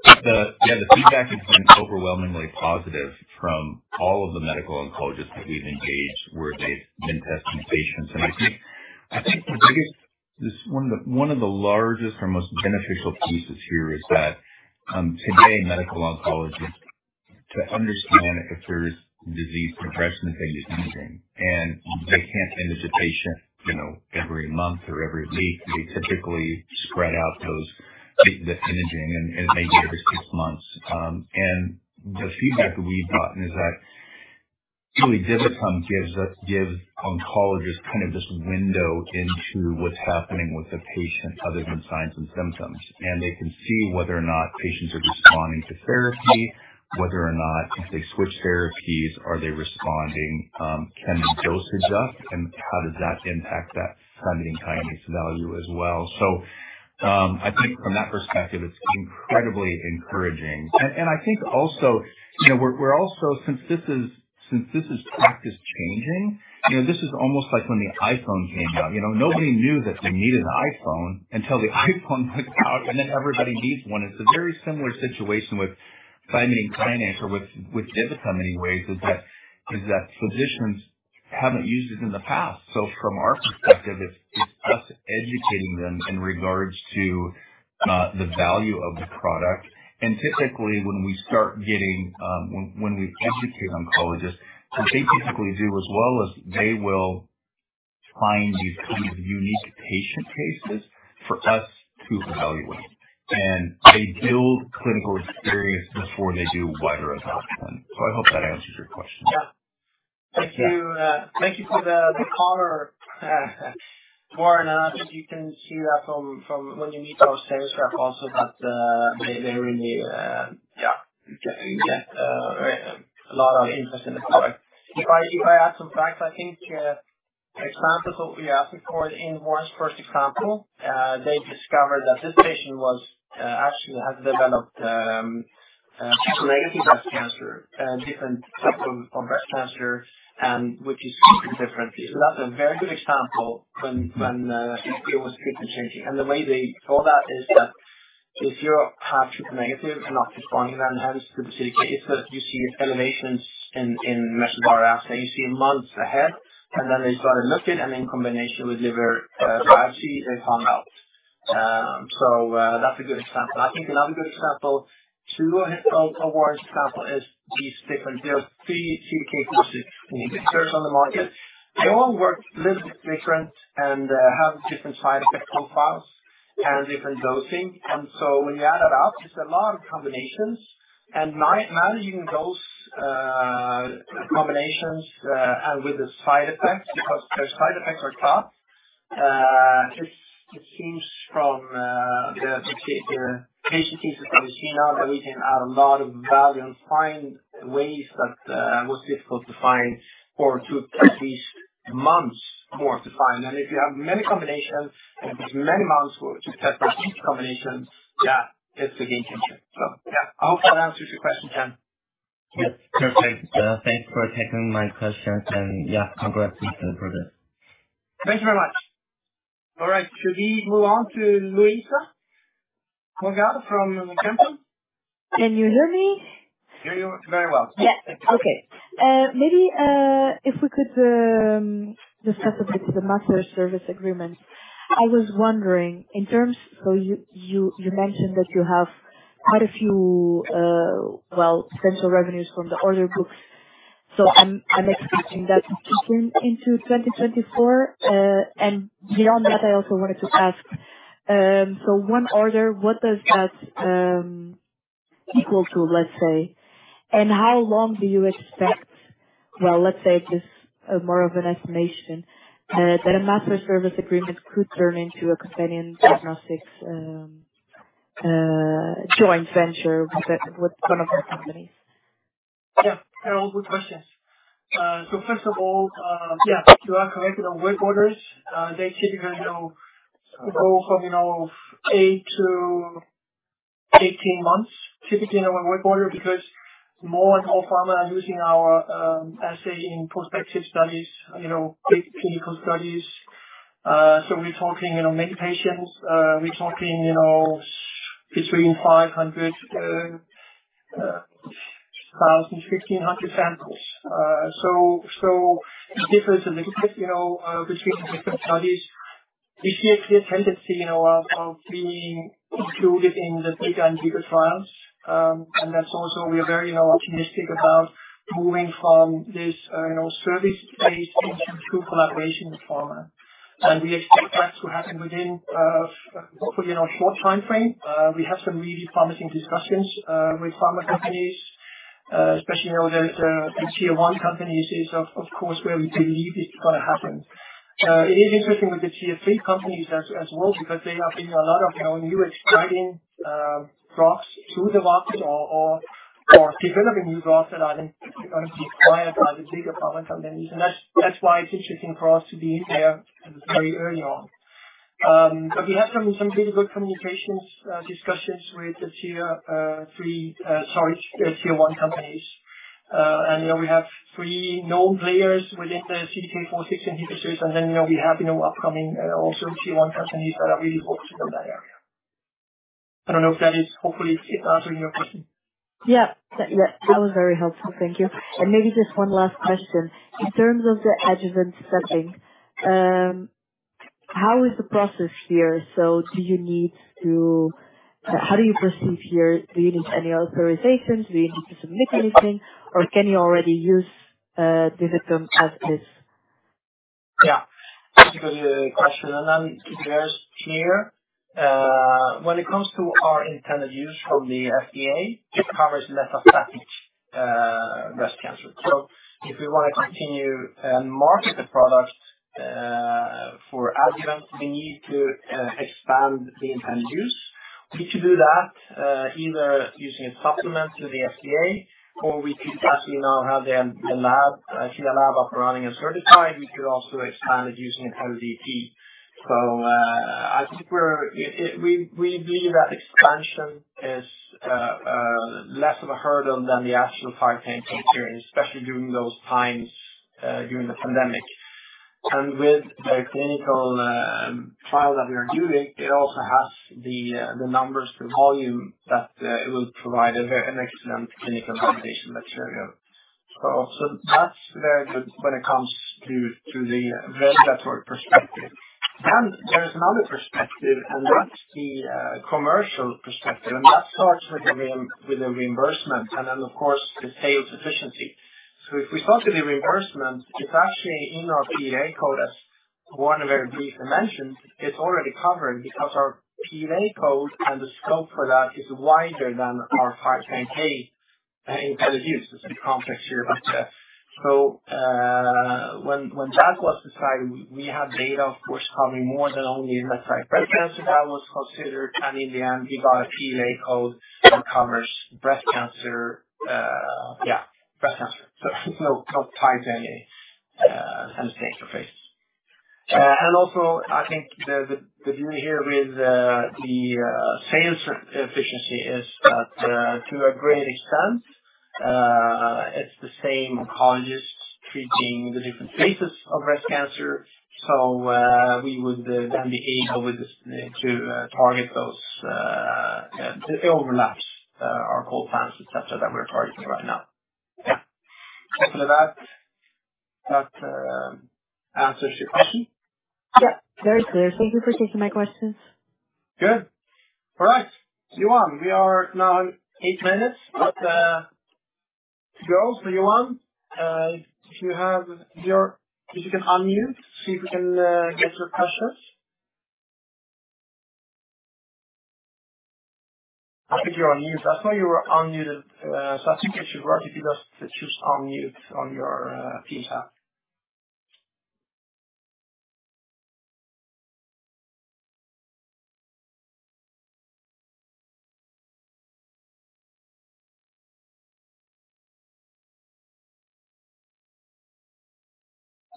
Speaker 2: But the feedback has been overwhelmingly positive from all of the medical oncologists that we've engaged where they've been testing patients. I think, I think the biggest one of the largest or most beneficial pieces here is that, today, medical oncologists, to understand if there's disease progression, they use imaging. They can't image a patient, you know, every month or every week. They typically spread out the imaging, and it may be every six months. The feedback that we've gotten is that really, DiviTum gives oncologists kind of this window into what's happening with the patient other than signs and symptoms. They can see whether or not patients are responding to therapy, whether or not if they switch therapies, are they responding, can the dose adjust, and how does that impact that thymidine kinase value as well. So, I think from that perspective, it's incredibly encouraging. I think also, you know, we're also, since this is practice-changing, you know, this is almost like when the iPhone came out. You know, nobody knew that they needed an iPhone until the iPhone was out, and then everybody needs one. It's a very similar situation with thymidine kinase or with DiviTum in many ways, is that physicians haven't used it in the past. So from our perspective, it's us educating them in regards to the value of the product. And typically, when we educate oncologists, what they typically do as well is they will find these kinds of unique patient cases for us to evaluate. And they build clinical experience before they do wider adoption. So I hope that answers your question.
Speaker 3: Yeah. Thank you. Thank you for the color, Warren.
Speaker 1: And I think you can see that from when you meet our sales rep also that they really yeah get a lot of interest in the product. If I add some facts, I think examples of what we asked for in Warren's first example, they discovered that this patient actually had developed triple-negative breast cancer, different type of breast cancer, and which is treated differently. So that's a very good example when it was treatment-changing. And the way they saw that is that if you have triple-negative and not responding then hence basically it's that you see elevations in TK assays. You see months ahead, and then they started looking. And in combination with liver biopsy, they found out. So that's a good example. I think another good example too, of Warren's example is these different; there are three CDK 4/6 inhibitors on the market. They all work a little bit different and have different side effect profiles and different dosing. And so when you add that up, it's a lot of combinations. And managing those combinations and with the side effects because their side effects are tough, it seems from the patient cases that we see now that we can add a lot of value and find ways that was difficult to find or took at least months more to find. And if you have many combinations and it takes many months to test on each combination, yeah, it's a game-changer. So yeah, I hope that answers your question, Chen.
Speaker 3: Yep. Perfect. Thanks for taking my question. And yeah, congrats with the progress. Thank you very much.
Speaker 1: All right. Should we move on to Luisa Morgado from Van Lanschot Kempen?
Speaker 4: Can you hear me?
Speaker 1: Hear you very well.
Speaker 4: Yes. Okay. Maybe, if we could, discuss a bit the master service agreements. I was wondering, in terms so you mentioned that you have quite a few, well, potential revenues from the order books. So I'm expecting that to kick in into 2024. And beyond that, I also wanted to ask, so one order, what does that equal to, let's say? And how long do you expect, well, let's say it's just more of an estimation, that a master service agreement could turn into a companion diagnostics, joint venture with one of the companies? Yeah. They're all good questions. So first of all, yeah, you are correct, you know, work orders. They typically, you know, go from 8-18 months typically, you know, in a work order because more and more pharma are using our assay in prospective studies, you know, clinical studies. So we're talking, you know, many patients. We're talking, you know, between 500, 1,000, 1,500 samples. So it differs a little bit, you know, between the different studies. We see a clear tendency, you know, of being included in the bigger and bigger trials. And that's also we are very, you know, optimistic about moving from this, you know, service-based into true collaboration with pharma. And we expect that to happen within, hopefully, in a short time frame. We have some really promising discussions with pharma companies, especially, you know, the tier-one companies is, of course, where we believe it's going to happen. It is interesting with the tier-three companies as well because they are bringing a lot of, you know, new drugs to the market or developing new drugs that are then going to be acquired by the bigger pharma companies. And that's why it's interesting for us to be in there very early on. We have some really good communications, discussions with the tier three, sorry, tier-one companies. And, you know, we have three known players within the CDK 4/6 inhibitors. And then, you know, we have upcoming also tier-one companies that are really focused in that area. I don't know if that is. Hopefully, it's answering your question. Yeah. Yep. That was very helpful. Thank you. And maybe just one last question. In terms of the adjuvant setting, how is the process here? So, do you know how you proceed here? Do you need any authorizations? Do you need to submit anything? Or can you already use DiviTum as is?
Speaker 5: Yeah. Thank you for the question. I'll make it clear. When it comes to our intended use from the FDA, it covers metastatic breast cancer. So if we want to continue and market the product for adjuvant, we need to expand the intended use. We could do that either using a supplement through the FDA, or we could actually now have the lab operating and certified. We could also expand it using an LDT. So, I think we believe that expansion is less of a hurdle than the actual approval process comes here, especially during those times, during the pandemic. And with the clinical trial that we are doing, it also has the numbers, the volume that it will provide a very excellent clinical validation material. So that's very good when it comes to the regulatory perspective. Then there is another perspective, and that's the commercial perspective. And that starts with the reimbursement and then, of course, the sales efficiency. So if we start with the reimbursement, it's actually in our PLA code, as Warren very briefly mentioned, it's already covered because our PLA code and the scope for that is wider than our final planned intended use. It's a complex area, but so when that was decided, we had data, of course, covering more than only metastatic breast cancer that was considered. And in the end, we got a PLA code that covers breast cancer, yeah, breast cancer. So it's no tied to any kind of state interface, and also, I think the beauty here with the sales efficiency is that, to a great extent, it's the same oncologists treating the different cases of breast cancer. So, we would then be able with this to target those it overlaps, our call plans, etc., that we're targeting right now. Yeah. Hopefully, that answers your question.
Speaker 4: Yep. Very clear. Thank you for taking my questions.
Speaker 1: Good. All right. Johan Unnerus, we are now in eight minutes. Let's go. So, Johan Unnerus, if you can unmute, see if we can get your questions. I think you're on mute. I saw you were unmuted, so I think it should work if you just choose unmute on your Teams app.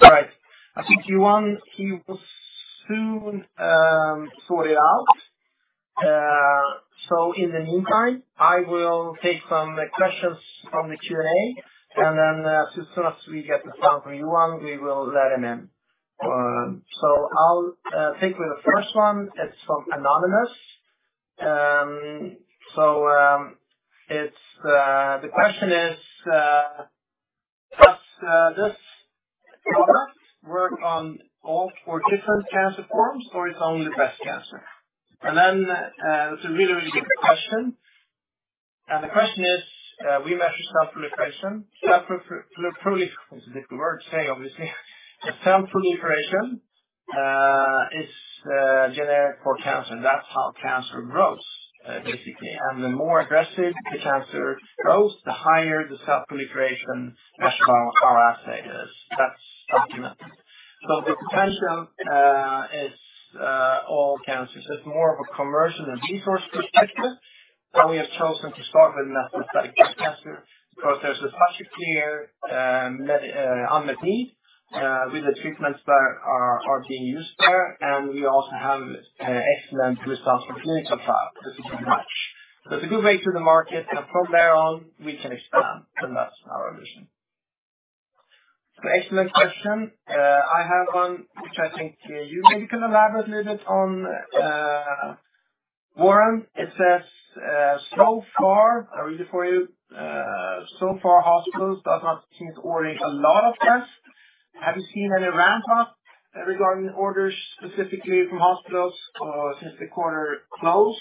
Speaker 1: All right. I think Johan Unnerus will soon sort it out. In the meantime, I will take some questions from the Q&A. Then, as soon as we get the sound from Johan Unnerus, we will let him in. So I'll take the first one. It's from Anonymous. So, it's the question: Does this product work on all or different cancer forms, or is it only breast cancer? And then, that's a really, really good question. And the question is, we measure cell proliferation. Cell proliferation is a difficult word to say, obviously. Cell proliferation is generic for cancer. That's how cancer grows, basically. And the more aggressive the cancer grows, the higher the cell proliferation measurement our assay is. That's documented. So the potential is all cancers. It's more of a commercial and resource perspective. We have chosen to start with metastatic breast cancer because there's such a clear, major unmet need, with the treatments that are, are being used there. We also have excellent results from clinical trials. This is a good match. It's a good way to the market. From there on, we can expand. That's our vision. It's an excellent question. I have one, which I think you maybe can elaborate a little bit on, Warren. It says, so far I'll read it for you. So far, hospitals does not seem to order a lot of tests. Have you seen any ramp-up regarding orders specifically from hospitals since the quarter closed?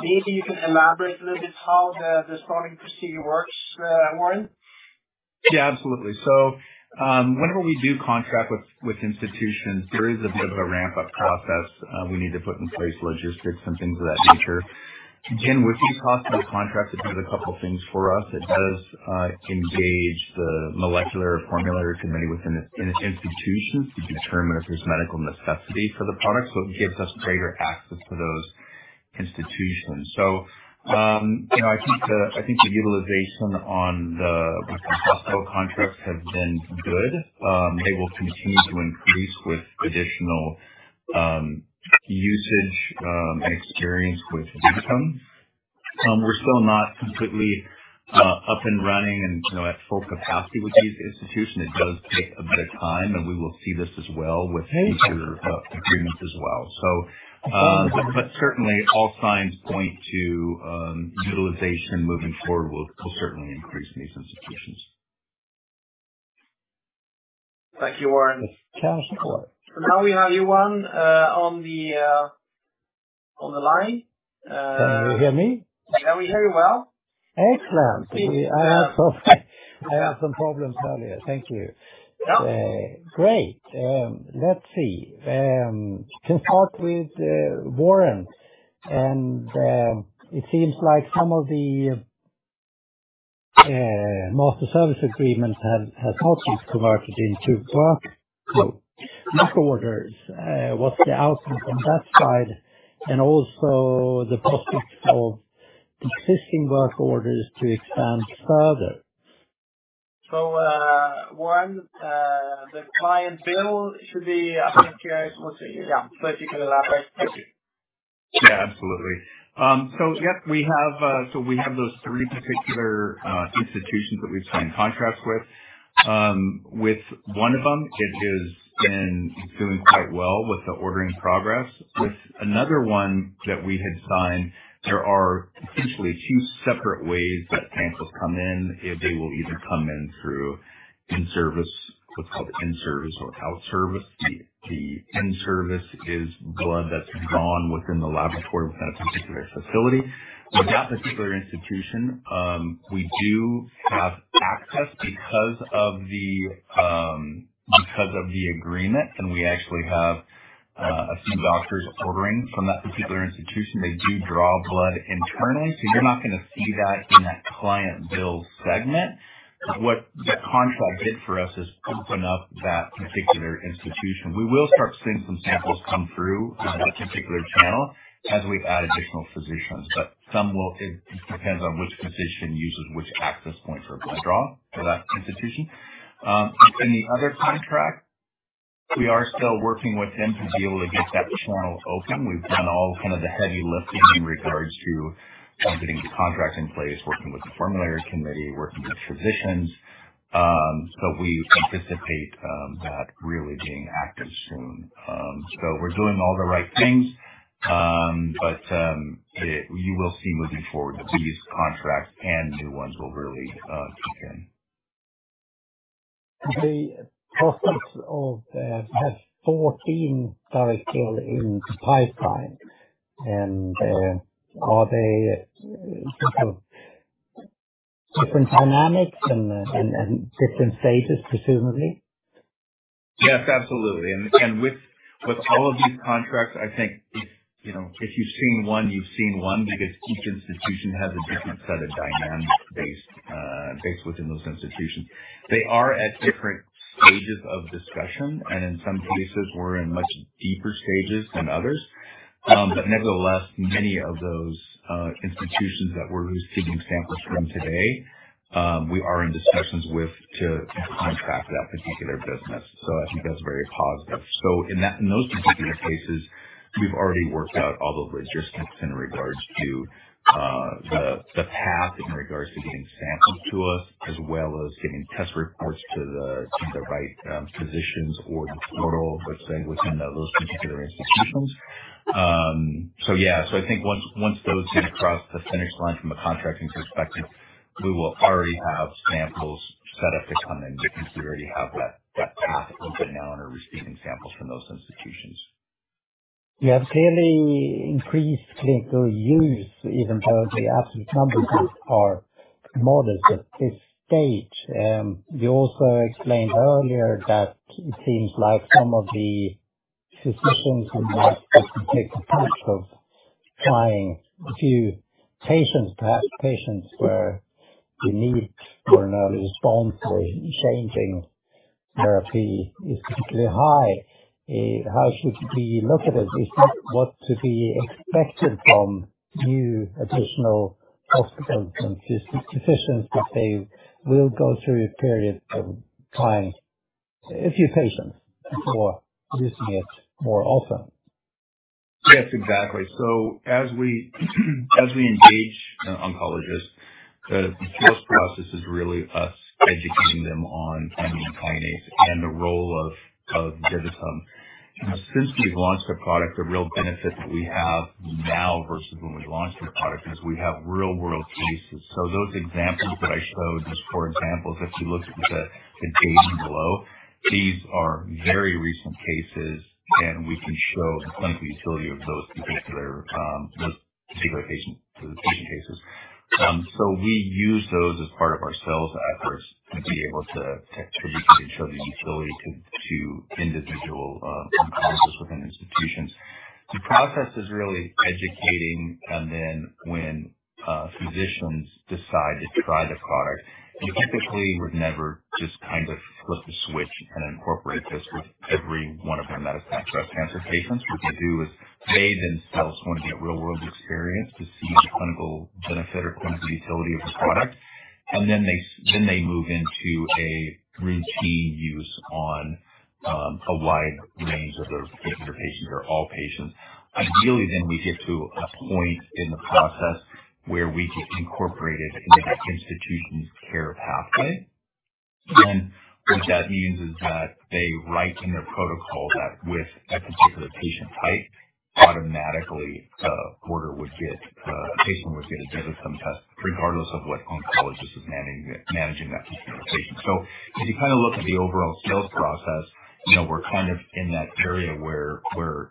Speaker 1: Maybe you can elaborate a little bit how the, the starting procedure works, Warren?
Speaker 2: Yeah. Absolutely. So, whenever we do contract with, with institutions, there is a bit of a ramp-up process. We need to put in place logistics and things of that nature. Again, with these hospital contracts, it does a couple of things for us. It does engage the molecular or formulary committee within the institutions to determine if there's medical necessity for the product. So it gives us greater access to those institutions. So, you know, I think the utilization on the with the hospital contracts has been good. They will continue to increase with additional usage and experience with DiviTum. We're still not completely up and running and, you know, at full capacity with these institutions. It does take a bit of time. And we will see this as well with future agreements as well. So, but certainly, all signs point to utilization moving forward will certainly increase in these institutions.
Speaker 1: Thank you, Warren. Cash for what? So now we have Johan Unnerus on the line. Can you hear me? Can we hear you well?
Speaker 6: Excellent. I had some problems earlier. Thank you. Yep. Great. Let's see. Can start with Warren. It seems like some of the master services agreements have not been converted into work orders. What's the outcome from that side and also the prospects of existing work orders to expand further? So, Warren, the client bill should be, I think, what's it? Yeah. So if you An elaborate.
Speaker 1: Thank you. Yeah. Absolutely. So yep, we have those three particular institutions that we've signed contracts with. With one of them, it is doing quite well with the ordering progress. With another one that we had signed, there are essentially two separate ways that samples come in. They will even come in through in-service, what's called in-service or out-service. The in-service is blood that's drawn within the laboratory within a particular facility. With that particular institution, we do have access because of the agreement. And we actually have a few doctors ordering from that particular institution. They do draw blood internally. So you're not going to see that in that client bill segment. What the contract did for us is open up that particular institution. We will start seeing some samples come through that particular channel as we add additional physicians. But some will; it depends on which physician uses which access points for blood draw for that institution. In the other contract, we are still working with them to be able to get that channel open. We've done all kinds of the heavy lifting in regards to getting the contract in place, working with the formulary committee, working with physicians. So we anticipate that really being active soon. So we're doing all the right things. But you will see moving forward that these contracts and new ones will really kick in.
Speaker 6: We have 14 direct deals in the pipeline. And are they sort of different dynamics and different stages, presumably?
Speaker 1: Yes. Absolutely. And with all of these contracts, I think, you know, if you've seen one, you've seen one because each institution has a different set of dynamics based within those institutions. They are at different stages of discussion. And in some cases, we're in much deeper stages than others. But nevertheless, many of those institutions that we're receiving samples from today, we are in discussions with to contract that particular business.
Speaker 2: So I think that's very positive. So in those particular cases, we've already worked out all the logistics in regards to the path in regards to getting samples to us as well as getting test reports to the right physicians or the portal, let's say, within those particular institutions.
Speaker 1: So yeah. So I think once those get across the finish line from a contracting perspective, we will already have samples set up to come in because we already have that path open now and are receiving samples from those institutions.
Speaker 6: You have clearly increased clinical use even though the absolute numbers are modest at this stage. You also explained earlier that it seems like some of the physicians who might take the time to try a few patients, perhaps patients where the need for an early response or changing therapy is particularly high. How should we look at it? Is this what's to be expected from new additional hospitals and physicians if they will go through a period of trying a few patients before using it more often?
Speaker 2: Yes. Exactly. So as we engage oncologists, the sales process is really us educating them on the thymidine kinase and the role of DiviTum. Since we've launched the product, the real benefit that we have now versus when we launched the product is we have real-world cases. So those examples that I showed, these four examples, if you look at the data below, these are very recent cases. We can show the clinical utility of those particular patient cases. So we use those as part of our sales efforts to be able to show the utility to individual oncologists within institutions. The process is really educating. And then when physicians decide to try the product, we typically would never just kind of flip the switch and incorporate this with every one of our metastatic breast cancer patients. What we do is they themselves want to get real-world experience to see the clinical benefit or clinical utility of the product. And then they move into a routine use on a wide range of their particular patients or all patients. Ideally, then we get to a point in the process where we get incorporated into the institution's care pathway. And then what that means is that they write in their protocol that with a particular patient type, automatically, the patient would get a DiviTum test regardless of what oncologist is managing that particular patient. So if you kind of look at the overall sales process, you know, we're kind of in that area where we're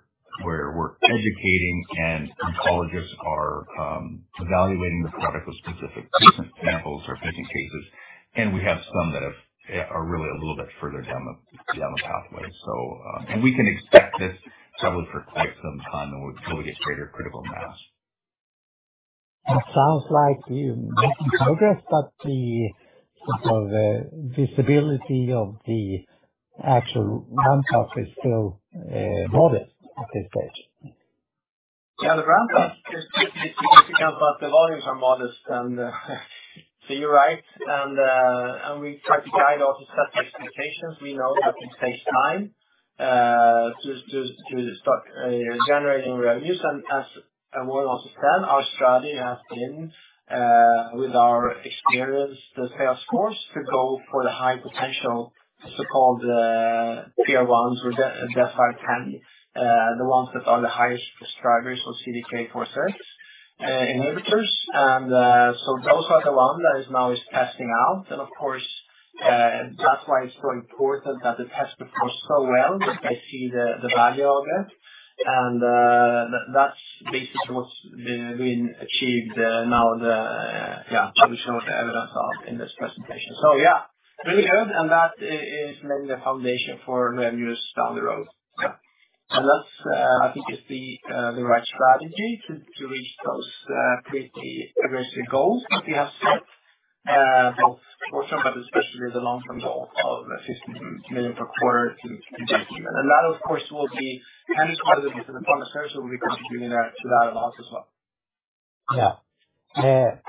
Speaker 2: educating. And oncologists are evaluating the product with specific patient samples or patient cases. And we have some that have are really a little bit further down the pathway. So, and we can expect this probably for quite some time until we get greater critical mass. It sounds like you're making progress. But the sort of visibility of the actual ramp-up is still modest at this stage.
Speaker 1: Yeah. The ramp-up is significant. But the volumes are modest. And, so you're right. And we try to guide our successful expectations. We know that it takes time to start generating revenues. And as Warren also said, our strategy has been, with our experience, the sales force to go for the high-potential so-called tier ones or decile 10, the ones that are the highest prescribers of CDK 4/6 inhibitors. And so those are the ones that are now testing out. And of course, that's why it's so important that they test the test so well that they see the value of it. And that's basically what's been achieved now that, yeah, we showed the evidence of in this presentation. So yeah, really good. And that is laying the foundation for revenues down the road. Yeah. That's, I think, the right strategy to reach those pretty aggressive goals that we have set, both short-term but especially the long-term goal of 15 million per quarter to DiviTum TKa. And that, of course, will be handed over to the pharmaceuticals. We'll be contributing to that a lot as well.
Speaker 6: Yeah.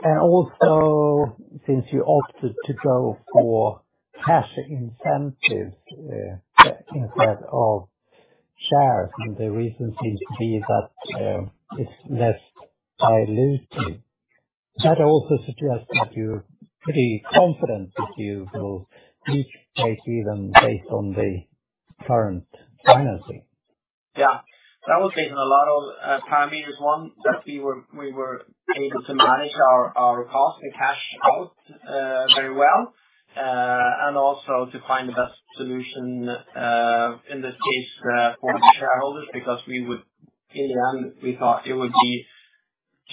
Speaker 6: And also since you opted to go for cash incentives, instead of shares, and the reason seems to be that it's less diluted, that also suggests that you're pretty confident that you will reach rates even based on the current financing.
Speaker 1: Yeah. That was based on a lot of parameters.
Speaker 6: One, that we were able to manage our cost and cash out very well, and also to find the best solution, in this case, for the shareholders because we would in the end, we thought it would be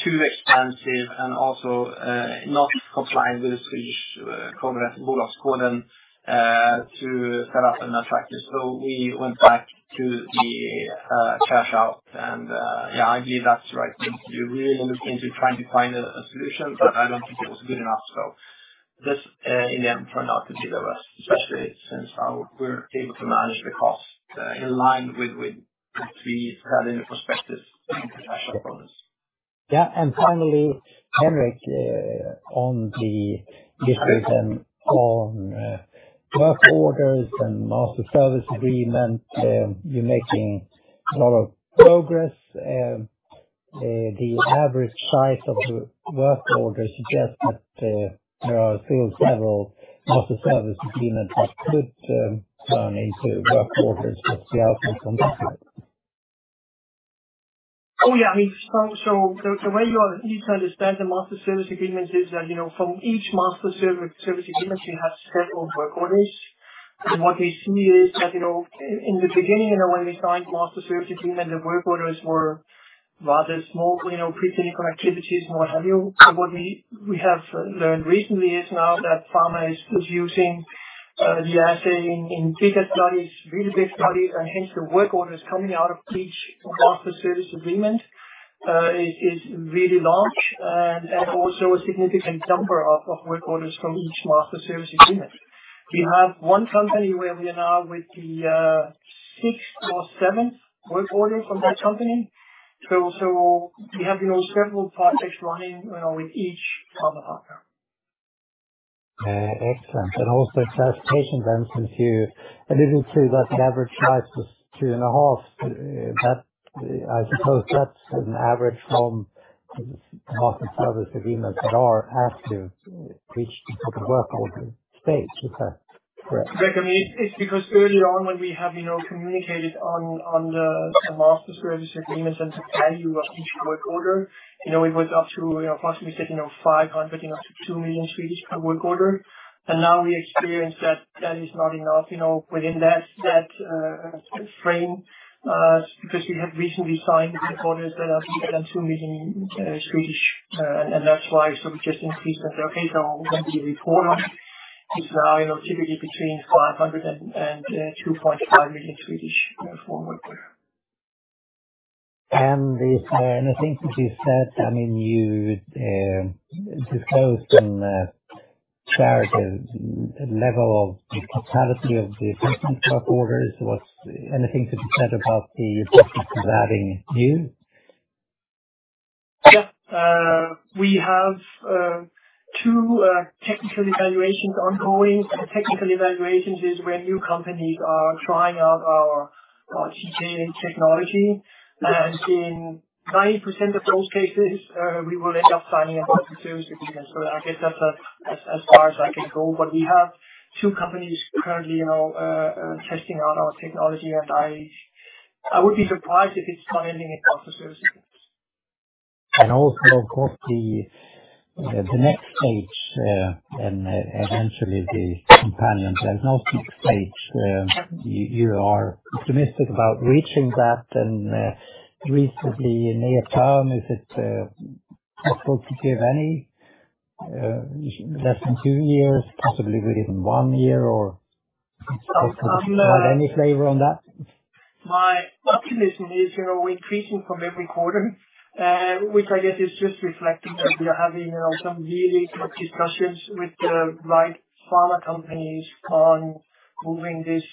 Speaker 6: too expensive and also not complying with the Swedish Code or Bolagsverkets code, to set up an attractive. So we went back to the cash out. And, yeah, I believe that's the right thing to do. We really looked into trying to find a solution. But I don't think it was good enough. So this, in the end, turned out to be the best, especially since we're able to manage the cost in line with what we had in the prospectus and the cash out bonus. Yeah. And finally, Henrik, on the issues and on work orders and master service agreement, you're making a lot of progress. The average size of the work order suggests that there are still several master service agreements that could turn into work orders. What's the outcome from that? Oh, yeah. I mean, so the way you need to understand the master service agreements is that, you know, from each master service agreement, you have several work orders. And what we see is that, you know, in the beginning, you know, when we signed master service agreement, the work orders were rather small, you know, preclinical activities and what have you. But what we have learned recently is now that pharma is still using the assay in bigger studies, really big studies. And hence, the work orders coming out of each master service agreement is really large and also a significant number of work orders from each master service agreement. We have one company where we are now with the sixth or seventh work order from that company. So we have, you know, several projects running, you know, with each pharma partner. Excellent. And also classification then since you alluded to that average size was 2.5. That I suppose that's an average from master service agreements that are active reached the work order stage. Is that correct? Right, I mean, it's because early on, when we have, you know, communicated on, on the master service agreements and the value of each work order, you know, it was up to, you know, approximately, you know, 500,000-2 million per work order. And now we experience that that is not enough, you know, within that frame, because we had recently signed work orders that are bigger than SEK 2 million. And that's why we just increased and said, "Okay. So when we report on it, it's now, you know, typically between 500 and 2.5 million for work order." And then, anything to be said? I mean, you disclosed in clarity the level of the totality of the applicant work orders. Was anything to be said about the applicants adding new? Yeah, we have two technical evaluations ongoing. Technical evaluations is where new companies are trying out our TKa technology. And in 90% of those cases, we will end up signing a master service agreement. So I guess that's as far as I can go. But we have two companies currently, you know, testing out our technology. And I would be surprised if it's not ending in master service agreements. And also, of course, the next stage, and eventually the companion diagnostic stage, you are optimistic about reaching that. And, reasonably near term, is it possible to give any, less than two years, possibly within one year? Or is there any flavor on that? My optimism is, you know, increasing from every quarter, which I guess is just reflecting that we are having, you know, some really good discussions with the right pharma companies on moving this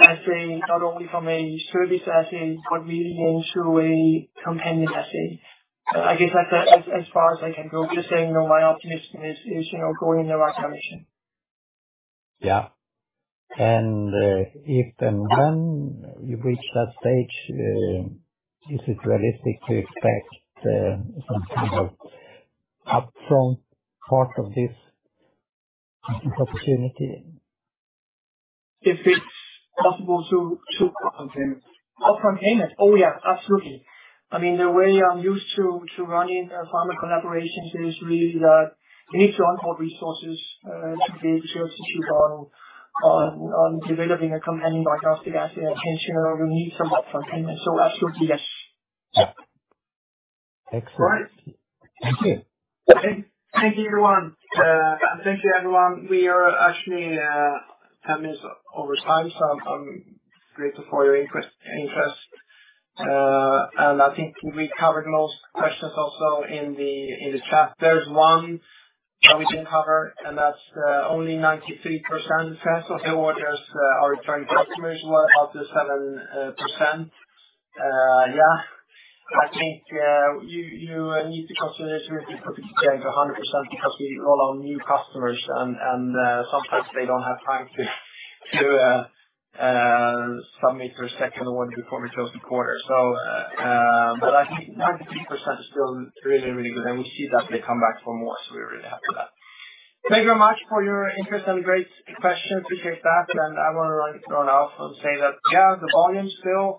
Speaker 6: assay not only from a service assay but really into a companion assay. I guess that's as far as I can go. Just saying, you know, my optimism is, you know, going in the right direction. Yeah. And, if and when you reach that stage, is it realistic to expect some kind of upfront part of this opportunity? If it's possible to upfront payment. Upfront payment? Oh, yeah.
Speaker 2: Absolutely. I mean, the way I'm used to running pharma collaborations is really that you need to onboard resources to be able to execute on developing a companion diagnostic assay. And hence, you know, you need some upfront payment. So absolutely, yes. Yeah. Excellent. All right. Thank you. Thank you, everyone. And thank you, everyone. We are actually 10 minutes over time. So I'm grateful for your interest. And I think we covered most questions also in the chat. There's one that we didn't cover. And that's only 93% of the orders are returned to customers. What about the 7%? Yeah. I think you need to consider to really put the TKA into 100% because we roll out new customers. And sometimes they don't have time to submit their second order before we close the quarter. So, but I think 93% is still really, really good. And we see that they come back for more. So we're really happy with that. Thank you very much for your interest and great question. Appreciate that. And I want to run off and say that, yeah, the volume's still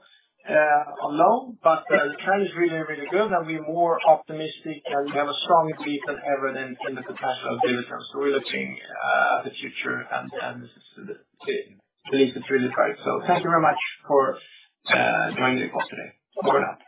Speaker 2: low. But the trend is really, really good. And we're more optimistic. And we have a strong belief than ever in the potential of DiviTum. So we're looking at the future. And I believe it's really bright. So thank you very much for joining the call today. Bye for now.